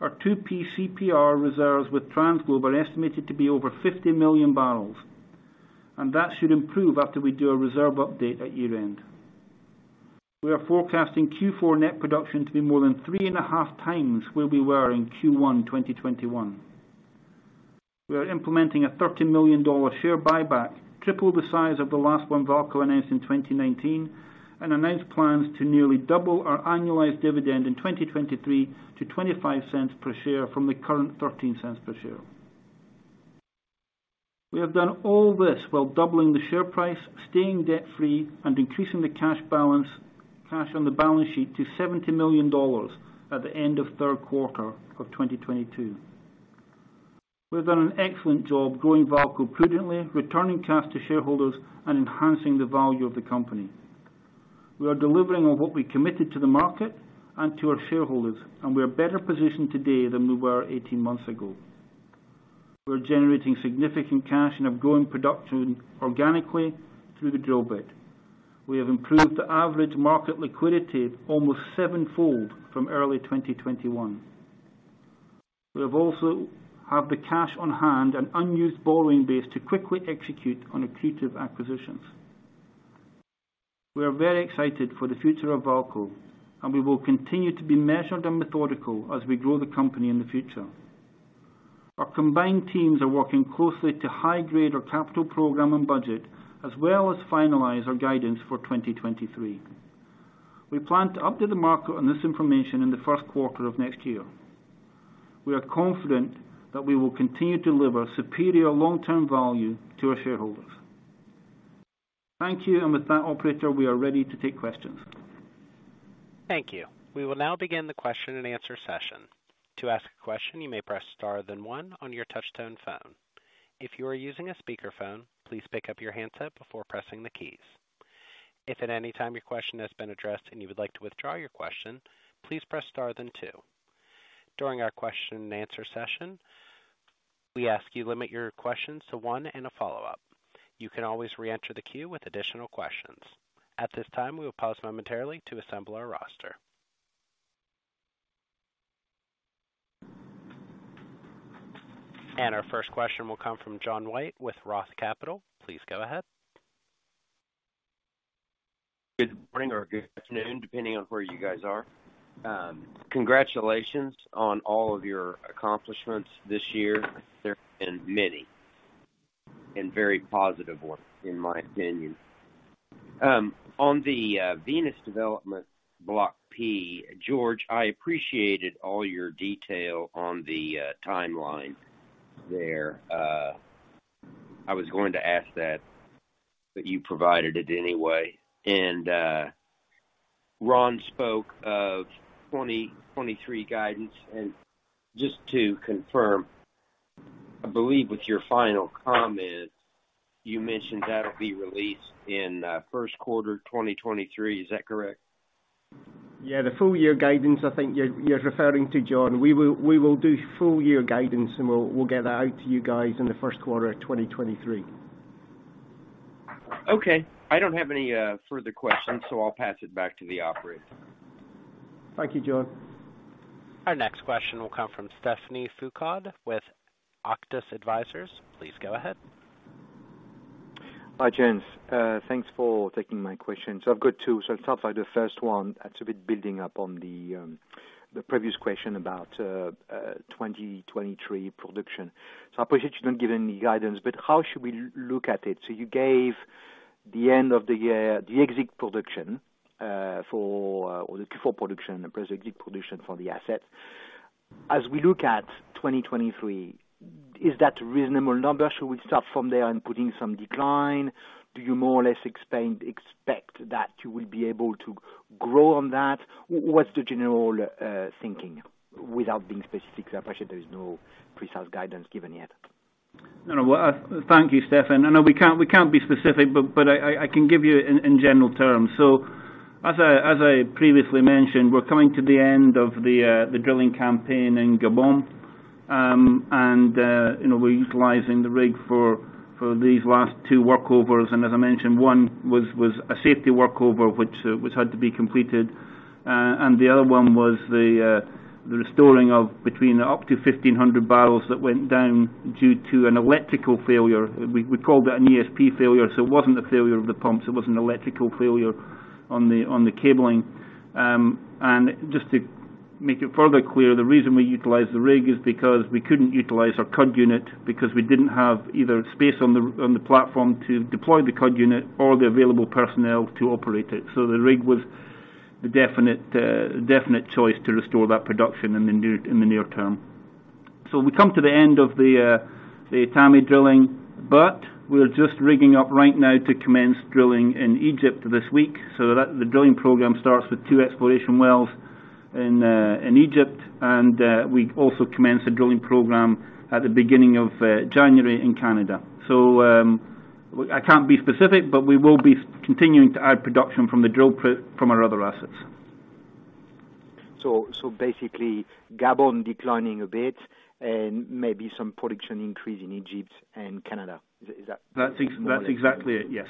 Our 2P CPR reserves with TransGlobe are estimated to be over 50 million barrels, and that should improve after we do a reserve update at year-end. We are forecasting Q4 net production to be more than three and a half times where we were in Q1 2021. We are implementing a $30 million share buyback, triple the size of the last one VAALCO announced in 2019, and announced plans to nearly double our annualized dividend in 2023 to $0.25 per share from the current $0.13 per share. We have done all this while doubling the share price, staying debt-free, and increasing the cash on the balance sheet to $70 million at the end of third quarter of 2022. We've done an excellent job growing VAALCO prudently, returning cash to shareholders, and enhancing the value of the company. We are delivering on what we committed to the market and to our shareholders, and we are better positioned today than we were 18 months ago. We're generating significant cash and are growing production organically through the drill bit. We have improved the average market liquidity almost sevenfold from early 2021. We have the cash on hand and unused borrowing base to quickly execute on accretive acquisitions. We are very excited for the future of VAALCO, and we will continue to be measured and methodical as we grow the company in the future. Our combined teams are working closely to high grade our capital program and budget, as well as finalize our guidance for 2023. We plan to update the market on this information in the first quarter of next year. We are confident that we will continue to deliver superior long-term value to our shareholders. Thank you. With that operator, we are ready to take questions. Thank you. We will now begin the question and answer session. To ask a question, you may press Star then one on your touchtone phone. If you are using a speakerphone, please pick up your handset before pressing the keys. If at any time your question has been addressed and you would like to withdraw your question, please press Star then two. During our question and answer session, we ask you limit your questions to one and a follow-up. You can always reenter the queue with additional questions. At this time, we will pause momentarily to assemble our roster. Our first question will come from John White with Roth Capital. Please go ahead. Good morning or good afternoon, depending on where you guys are. Congratulations on all of your accomplishments this year. There have been many and very positive ones, in my opinion. On the Venus development block P, George, I appreciated all your detail on the timeline there. I was going to ask that, but you provided it anyway. Ron spoke of 2023 guidance. Just to confirm, I believe with your final comment, you mentioned that'll be released in first quarter 2023. Is that correct? Yeah. The full year guidance, I think you're referring to, John. We will do full year guidance, and we'll get that out to you guys in the first quarter of 2023. Okay. I don't have any further questions, so I'll pass it back to the operator. Thank you, John. Our next question will come from Stephane Foucaud with Auctus Advisors. Please go ahead. Hi, gents. Thanks for taking my question. I've got two. I'll start by the first one. That's a bit building up on the previous question about 2023 production. I appreciate you don't give any guidance, but how should we look at it? You gave the end of the year, the exit production, or the Q4 production plus exit production for the asset. As we look at 2023, is that a reasonable number? Should we start from there and put in some decline? Do you more or less expect that you will be able to grow on that? What's the general thinking without being specific? Because I appreciate there is no precise guidance given yet. No. Well, thank you, Stephane. I know we can't be specific, but I can give you in general terms. As I previously mentioned, we're coming to the end of the drilling campaign in Gabon. You know, we're utilizing the rig for these last two workovers. As I mentioned, one was a safety workover which had to be completed. The other one was the restoring of between up to 1,500 barrels that went down due to an electrical failure. We call that an ESP failure. It wasn't a failure of the pumps, it was an electrical failure on the cabling. Just to make it further clear, the reason we utilized the rig is because we couldn't utilize our coiled tubing unit because we didn't have either space on the platform to deploy the coiled tubing unit or the available personnel to operate it. The rig was the definite choice to restore that production in the near term. We come to the end of the Etame drilling, but we're just rigging up right now to commence drilling in Egypt this week. The drilling program starts with two exploration wells in Egypt. We also commence a drilling program at the beginning of January in Canada. I can't be specific, but we will be continuing to add production from our other assets. Basically Gabon declining a bit and maybe some production increase in Egypt and Canada. Is that more or less it? That's exactly it, yes.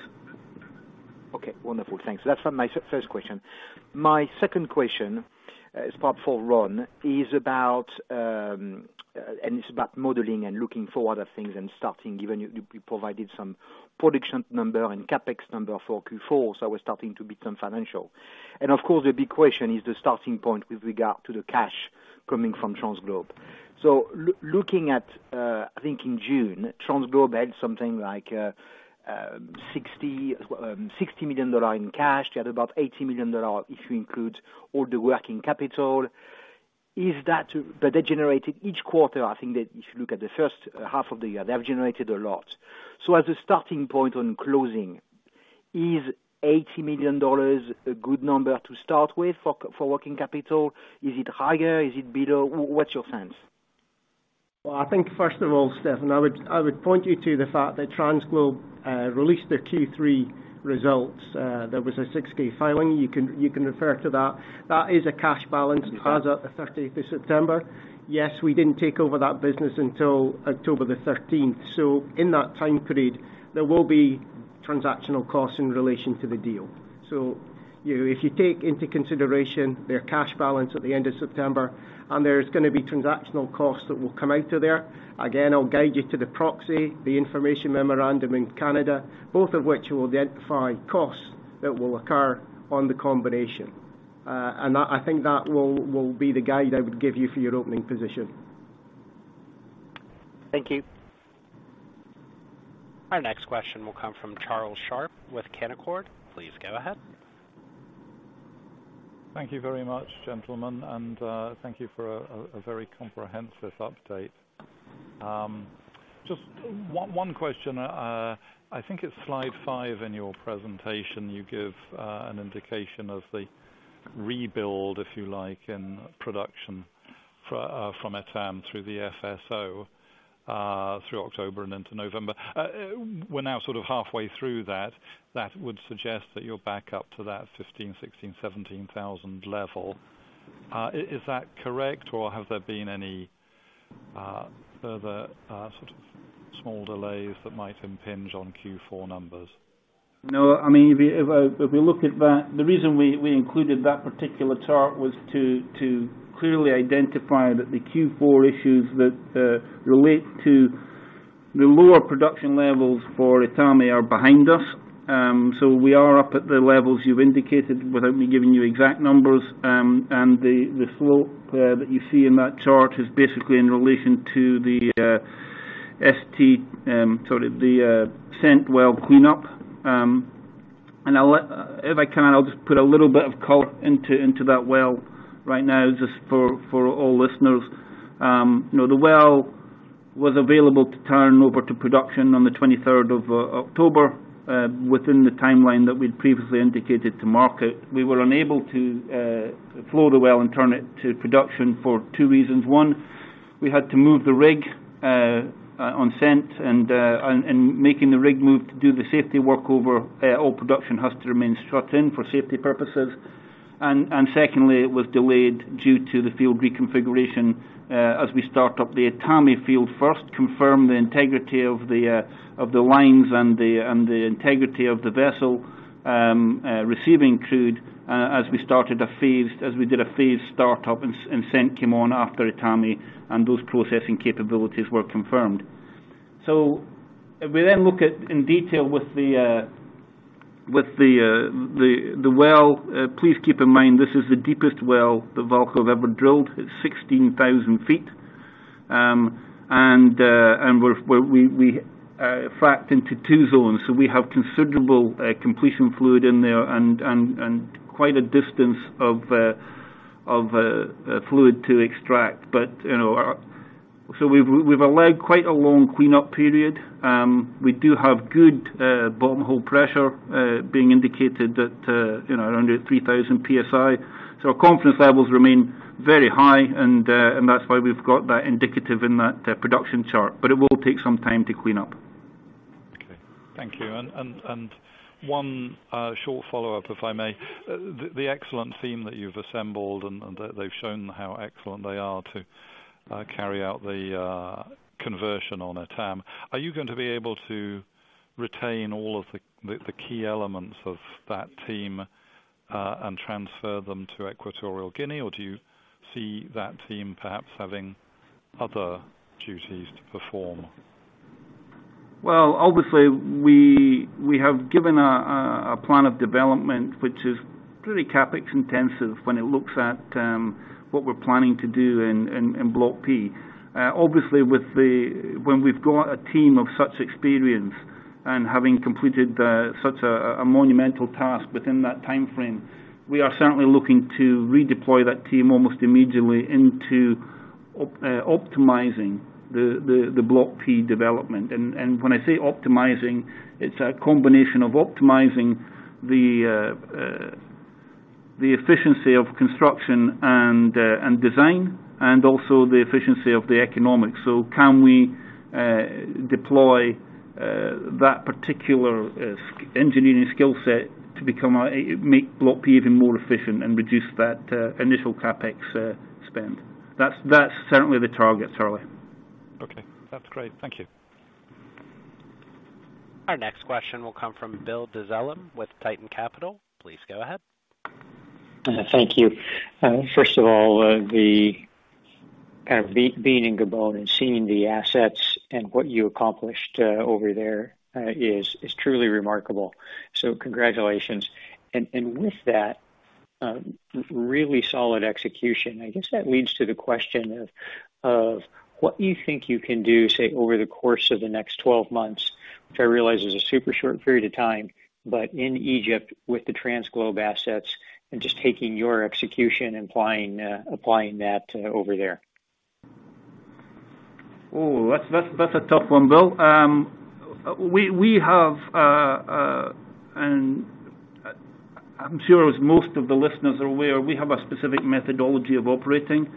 Okay, wonderful. Thanks. That's my first question. My second question is, for Ron, is about, and it's about modeling and looking for other things and starting given you provided some production number and CapEx number for Q4. We're starting to become financial. Of course, the big question is the starting point with regard to the cash coming from TransGlobe. Looking at, I think in June, TransGlobe had something like $60 million in cash. They had about $80 million if you include all the working capital. Is that? But they generated each quarter, I think that if you look at the first half of the year, they have generated a lot. As a starting point on closing Is $80 million a good number to start with for working capital? Is it higher? Is it below? What's your sense? Well, I think first of all, Stephane, I would point you to the fact that TransGlobe released their Q3 results. There was a 6-K filing. You can refer to that. That is a cash balance- Okay. As at the thirteenth of September. Yes, we didn't take over that business until October 13th. In that time period, there will be transactional costs in relation to the deal. You, if you take into consideration their cash balance at the end of September, and there's gonna be transactional costs that will come out of there. Again, I'll guide you to the proxy, the information memorandum in Canada, both of which will identify costs that will occur on the combination. I think that will be the guide I would give you for your opening position. Thank you. Our next question will come from Charlie Sharp with Canaccord. Please go ahead. Thank you very much, gentlemen. Thank you for a very comprehensive update. Just one question. I think it's slide five in your presentation, you give an indication of the rebuild, if you like, in production from Etame through the FSO through October and into November. We're now sort of halfway through that. That would suggest that you're back up to that 15,000-17,000 level. Is that correct, or have there been any further sort of small delays that might impinge on Q4 numbers? No. I mean, if you look at that, the reason we included that particular chart was to clearly identify that the Q4 issues that relate to the lower production levels for Etame are behind us. We are up at the levels you've indicated without me giving you exact numbers. The slope there that you see in that chart is basically in relation to the SEENT well cleanup. If I can, I'll just put a little bit of color into that well right now just for all listeners. You know, the well was available to turn over to production on the October 23rd, within the timeline that we'd previously indicated to market. We were unable to flow the well and turn it to production for two reasons. One, we had to move the rig on SEENT, and making the rig move to do the safety workover, all production has to remain shut in for safety purposes. Secondly, it was delayed due to the field reconfiguration, as we start up the Etame field first, confirm the integrity of the lines and the integrity of the vessel receiving crude, as we did a phased start-up and SEENT came on after Etame, and those processing capabilities were confirmed. If we then look at in detail with the well, please keep in mind this is the deepest well that VAALCO has ever drilled. It's 16,000 feet. We fracked into two zones. We have considerable completion fluid in there and quite a distance of fluid to extract. You know, we've allowed quite a long cleanup period. We do have good bottom hole pressure being indicated at, you know, around 3,000 PSI. Our confidence levels remain very high, and that's why we've got that indicative in that production chart. It will take some time to clean up. Okay. Thank you. One short follow-up, if I may. The excellent team that you've assembled, and they've shown how excellent they are to carry out the conversion on Etame. Are you going to be able to retain all of the key elements of that team, and transfer them to Equatorial Guinea? Do you see that team perhaps having other duties to perform? Obviously, we have given a plan of development which is pretty CapEx intensive when it looks at what we're planning to do in Block P. Obviously, when we've got a team of such experience and having completed such a monumental task within that timeframe, we are certainly looking to redeploy that team almost immediately into optimizing the Block P development. When I say optimizing, it's a combination of optimizing the efficiency of construction and design, and also the efficiency of the economics. Can we deploy that particular engineering skill set to make Block P even more efficient and reduce that initial CapEx spend? That's certainly the target, Charlie. Okay. That's great. Thank you. Our next question will come from Bill Dezellem with Tieton Capital Management. Please go ahead. Thank you. First of all, the kind of being in Gabon and seeing the assets and what you accomplished over there is truly remarkable. Congratulations. With that, really solid execution, I guess that leads to the question of what you think you can do, say, over the course of the next 12 months, which I realize is a super short period of time, but in Egypt with the TransGlobe assets and just taking your execution and applying that over there? Oh, that's a tough one, Bill. We have. I'm sure as most of the listeners are aware, we have a specific methodology of operating,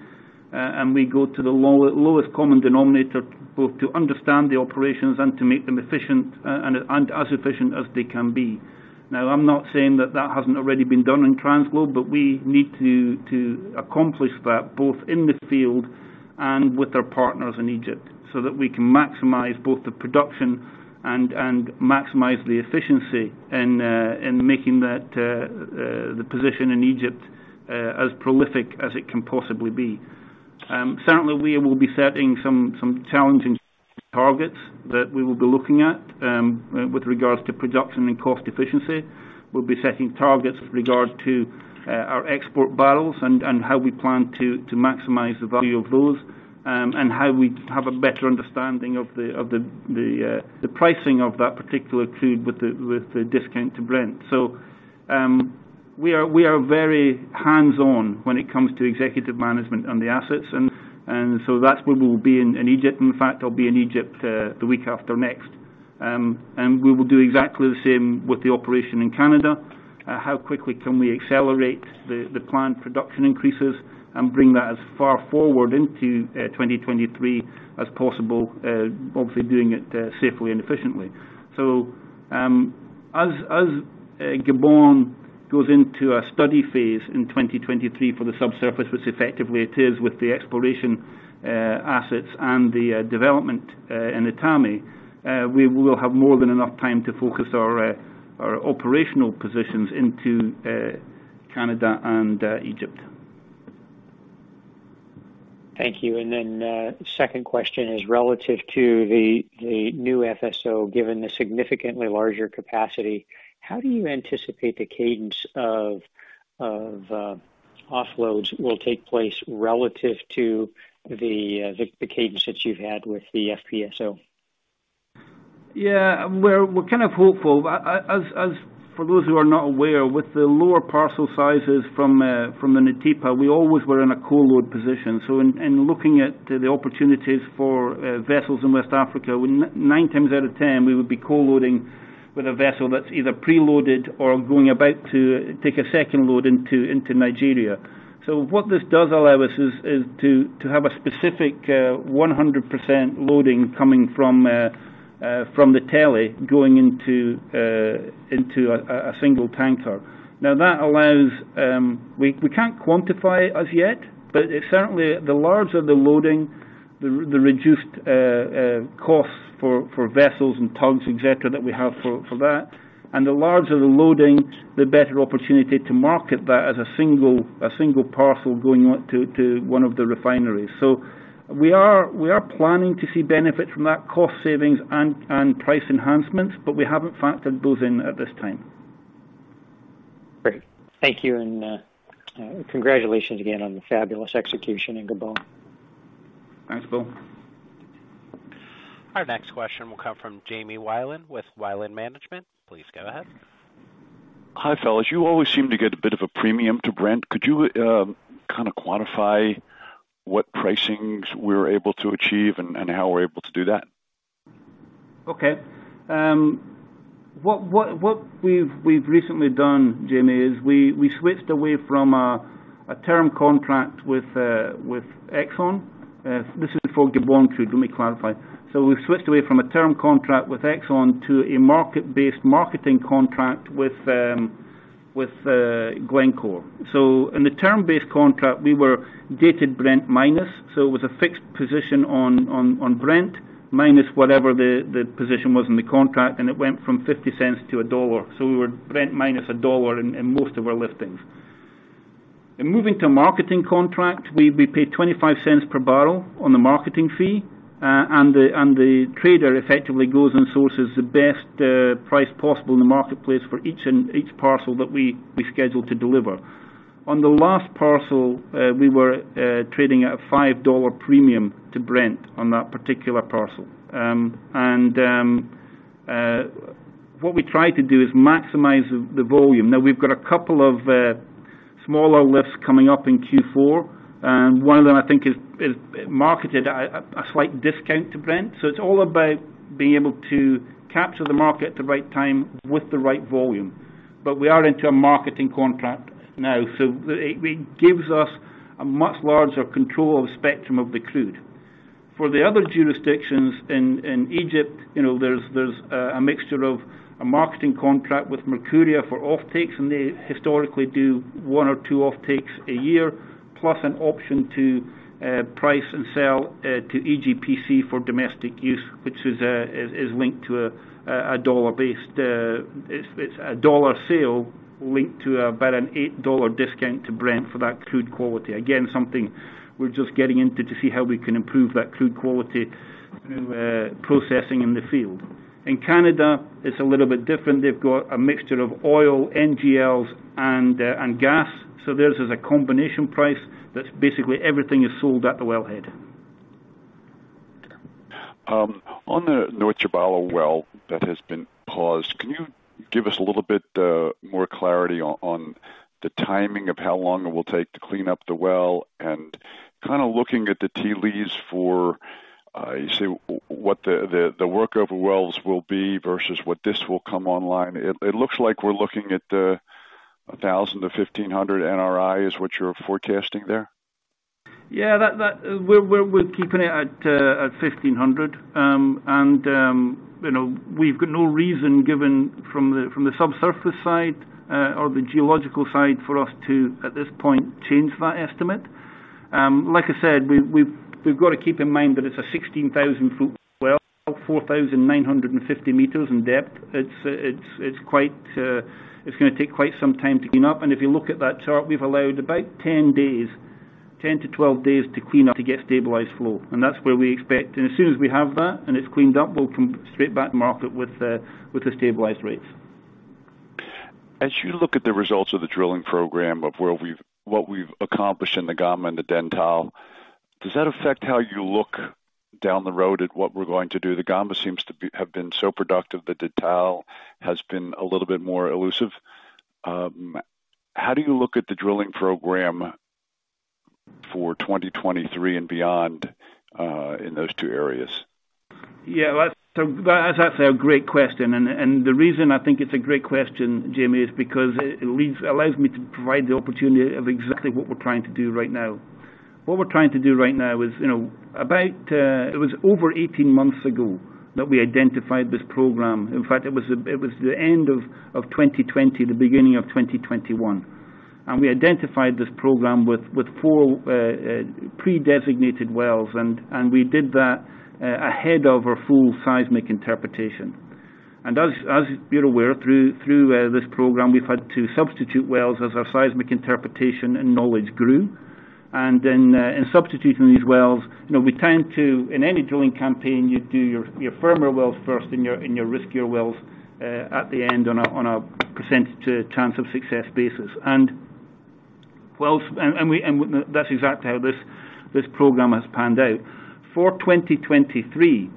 and we go to the lowest common denominator, both to understand the operations and to make them efficient and as efficient as they can be. Now, I'm not saying that hasn't already been done in TransGlobe, but we need to accomplish that both in the field and with our partners in Egypt so that we can maximize both the production and maximize the efficiency in making that the position in Egypt as prolific as it can possibly be. Certainly we will be setting some challenging targets that we will be looking at with regards to production and cost efficiency. We'll be setting targets with regard to our export barrels and how we plan to maximize the value of those, and how we have a better understanding of the pricing of that particular crude with the discount to Brent. We are very hands-on when it comes to executive management and the assets and so that's where we'll be in Egypt. In fact, I'll be in Egypt the week after next. We will do exactly the same with the operation in Canada. How quickly can we accelerate the plant production increases and bring that as far forward into 2023 as possible, obviously doing it safely and efficiently. As Gabon goes into a study phase in 2023 for the subsurface, which effectively it is with the exploration assets and the development in Etame, we will have more than enough time to focus our operational positions into Canada and Egypt. Thank you. Second question is relative to the new FSO. Given the significantly larger capacity, how do you anticipate the cadence of offloads will take place relative to the cadence that you've had with the FPSO? Yeah, we're kind of hopeful. As for those who are not aware, with the lower parcel sizes from the Petroleo Nautipa, we always were in a co-load position. In looking at the opportunities for vessels in West Africa, nine times out of ten, we would be co-loading with a vessel that's either preloaded or going about to take a second load into Nigeria. What this does allow us is to have a specific 100% loading coming from the Teli going into a single tanker. Now, that allows. We can't quantify as yet, but certainly the larger the loading, the reduced costs for vessels and tugs, et cetera, that we have for that. The larger the loading, the better opportunity to market that as a single parcel going out to one of the refineries. We are planning to see benefits from that cost savings and price enhancements, but we haven't factored those in at this time. Great. Thank you. Congratulations again on the fabulous execution in Gabon. Thanks, Bill. Our next question will come from Jamie Wilen with Wilen Management. Please go ahead. Hi, fellas. You always seem to get a bit of a premium to Brent. Could you kind of quantify what pricings we're able to achieve and how we're able to do that? Okay. What we've recently done, Jamie, is we switched away from a term contract with Exxon. This is for Gabon crude, let me clarify. We've switched away from a term contract with Exxon to a market-based marketing contract with Glencore. In the term-based contract, we were Dated Brent minus, so it was a fixed position on Dated Brent minus whatever the position was in the contract, and it went from $0.50 to $1. So we were Dated Brent minus $1 in most of our liftings. In moving to a marketing contract, we paid $0.25 per barrel on the marketing fee. The trader effectively goes and sources the best price possible in the marketplace for each parcel that we schedule to deliver. On the last parcel, we were trading at a $5 premium to Brent on that particular parcel. What we try to do is maximize the volume. Now, we've got a couple of smaller lifts coming up in Q4, and one of them I think is marketed at a slight discount to Brent. It's all about being able to capture the market at the right time with the right volume. We are into a marketing contract now, so it gives us a much larger control of the spectrum of the crude. For the other jurisdictions in Egypt, you know, there's a mixture of a marketing contract with Mercuria for offtakes, and they historically do one or two offtakes a year, plus an option to price and sell to EGPC for domestic use, which is linked to a dollar-based. It's a dollar sale linked to about an $8 discount to Brent for that crude quality. Again, something we're just getting into to see how we can improve that crude quality through processing in the field. In Canada, it's a little bit different. They've got a mixture of oil, NGLs and gas. So theirs is a combination price that's basically everything is sold at the wellhead. On the North Tchibala well that has been paused, can you give us a little bit more clarity on the timing of how long it will take to clean up the well? Kinda looking at the tea leaves for you say what the workover wells will be versus what this will come online. It looks like we're looking at 1,000-1,500 NRI is what you're forecasting there. Yeah. We're keeping it at 1,500. You know, we've got no reason given from the subsurface side or the geological side for us to, at this point, change that estimate. Like I said, we've got to keep in mind that it's a 16,000 foot well, 4,950 meters in depth. It's quite. It's gonna take quite some time to clean up. If you look at that chart, we've allowed about 10 days, 10-12 days to clean up to get stabilized flow. That's where we expect. As soon as we have that and it's cleaned up, we'll come straight back to market with the stabilized rates. As you look at the results of the drilling program, what we've accomplished in the Gamba and the Dentale, does that affect how you look down the road at what we're going to do? The Gamba has been so productive. The Dentale has been a little bit more elusive. How do you look at the drilling program for 2023 and beyond, in those two areas? Yeah, that's a great question. The reason I think it's a great question, Jamie, is because it allows me to provide the opportunity of exactly what we're trying to do right now. What we're trying to do right now is, you know, it was over 18 months ago that we identified this program. In fact, it was the end of 2020, the beginning of 2021. We identified this program with four pre-designated wells. We did that ahead of our full seismic interpretation. As you're aware through this program, we've had to substitute wells as our seismic interpretation and knowledge grew. Then, in substituting these wells, you know, we tend to. In any drilling campaign, you do your firmer wells first and your riskier wells at the end on a percentage chance of success basis. That's exactly how this program has panned out. For 2023,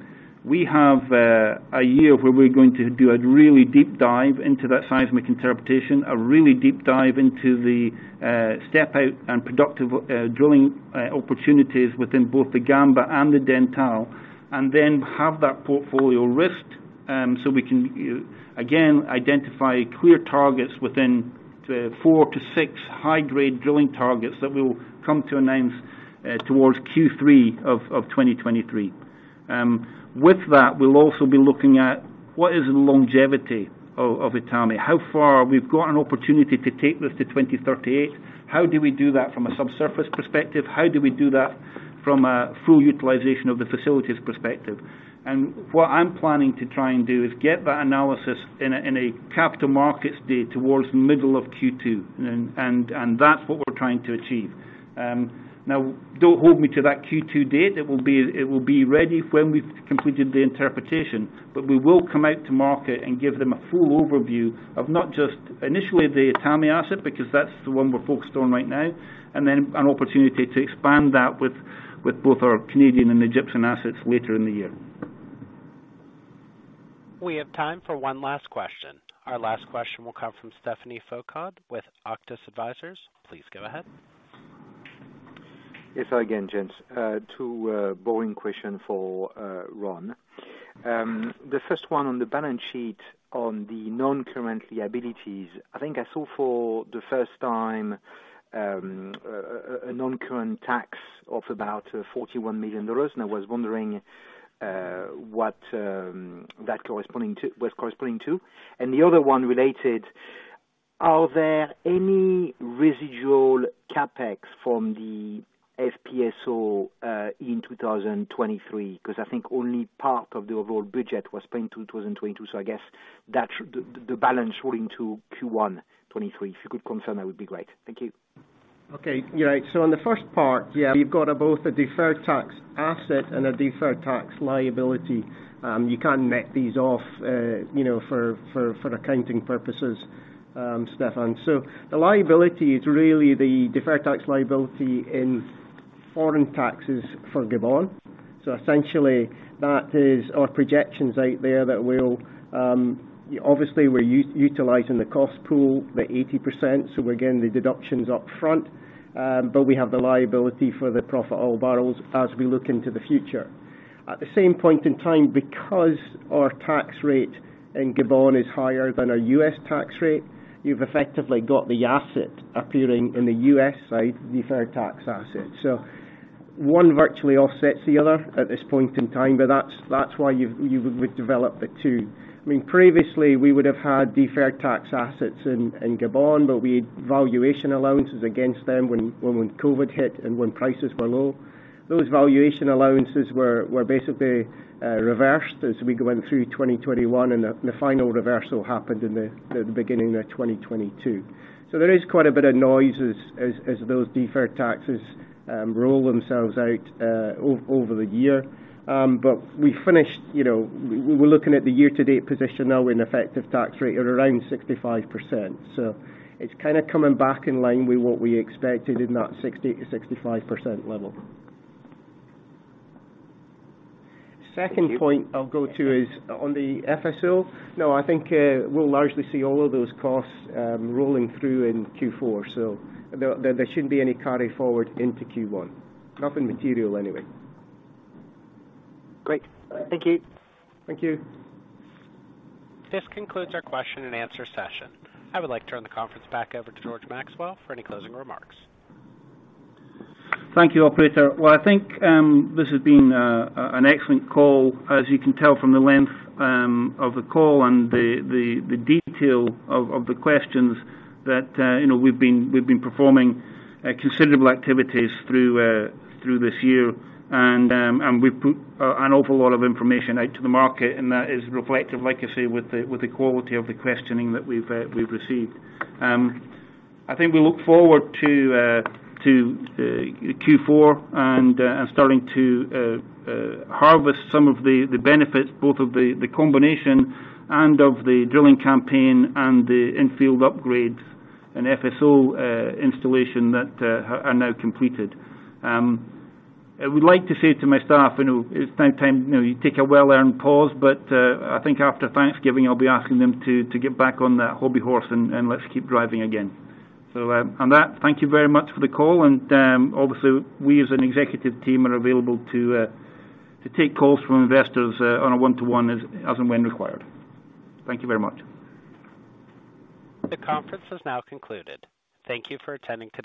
we have a year where we're going to do a really deep dive into that seismic interpretation, a really deep dive into the step out and productive drilling opportunities within both the Gamba and the Dentale, and then have that portfolio risked, so we can again identify clear targets within the 4-6 high grade drilling targets that we'll come to announce towards Q3 of 2023. With that, we'll also be looking at what is the longevity of Etame. How far we've got an opportunity to take this to 2038. How do we do that from a subsurface perspective? How do we do that from a full utilization of the facilities perspective? What I'm planning to try and do is get that analysis in a capital markets day towards the middle of Q2. That's what we're trying to achieve. Now, don't hold me to that Q2 date. It will be ready when we've completed the interpretation. We will come out to market and give them a full overview of not just initially the Etame asset, because that's the one we're focused on right now, and then an opportunity to expand that with both our Canadian and Egyptian assets later in the year. We have time for one last question. Our last question will come from Stephane Foucaud with Auctus Advisors. Please go ahead. Yes. Hi again, gents. Two boring question for Ron. The first one on the balance sheet on the non-current liabilities. I think I saw for the first time a non-current tax of about $41 million, and I was wondering what that corresponding to. The other one related, are there any residual CapEx from the FPSO in 2023? Because I think only part of the overall budget was spent in 2022. I guess the balance rolling to Q1 2023. If you could confirm, that would be great. Thank you. Okay. You're right. On the first part. Yeah. You've got both a deferred tax asset and a deferred tax liability. You can't net these off, you know, for accounting purposes, Stephane. The liability is really the deferred tax liability in foreign taxes for Gabon. Essentially, that is our projections out there that we'll obviously utilizing the cost pool, the 80%, so we're getting the deductions up front. But we have the liability for the profit oil barrels as we look into the future. At the same point in time, because our tax rate in Gabon is higher than our U.S. tax rate, you've effectively got the asset appearing in the U.S. side, deferred tax asset. One virtually offsets the other at this point in time. That's why you've developed the two. I mean, previously, we would have had deferred tax assets in Gabon, but we had valuation allowances against them when COVID hit and when prices were low. Those valuation allowances were basically reversed as we went through 2021, and the final reversal happened in the beginning of 2022. There is quite a bit of noise as those deferred taxes roll themselves out over the year. But we finished. You know, we're looking at the year-to-date position now in effective tax rate at around 65%. It's kinda coming back in line with what we expected in that 60%-65% level. Thank you. Second point I'll go to is on the FSO. No, I think we'll largely see all of those costs rolling through in Q4. There shouldn't be any carry forward into Q1. Nothing material anyway. Great. Thank you. Thank you. This concludes our question and answer session. I would like to turn the conference back over to George Maxwell for any closing remarks. Thank you, operator. Well, I think this has been an excellent call. As you can tell from the length of the call and the detail of the questions that you know, we've been performing considerable activities through this year. We've put an awful lot of information out to the market, and that is reflective, like I say, with the quality of the questioning that we've received. I think we look forward to Q4 and starting to harvest some of the benefits, both of the combination and of the drilling campaign and the infield upgrades and FSO installation that are now completed. I would like to say to my staff, you know, it's now time, you know, you take a well-earned pause, but I think after Thanksgiving, I'll be asking them to get back on that hobby horse and let's keep driving again. On that, thank you very much for the call. Obviously, we as an executive team are available to take calls from investors, on a one-to-one as and when required. Thank you very much. The conference is now concluded. Thank you for attending today.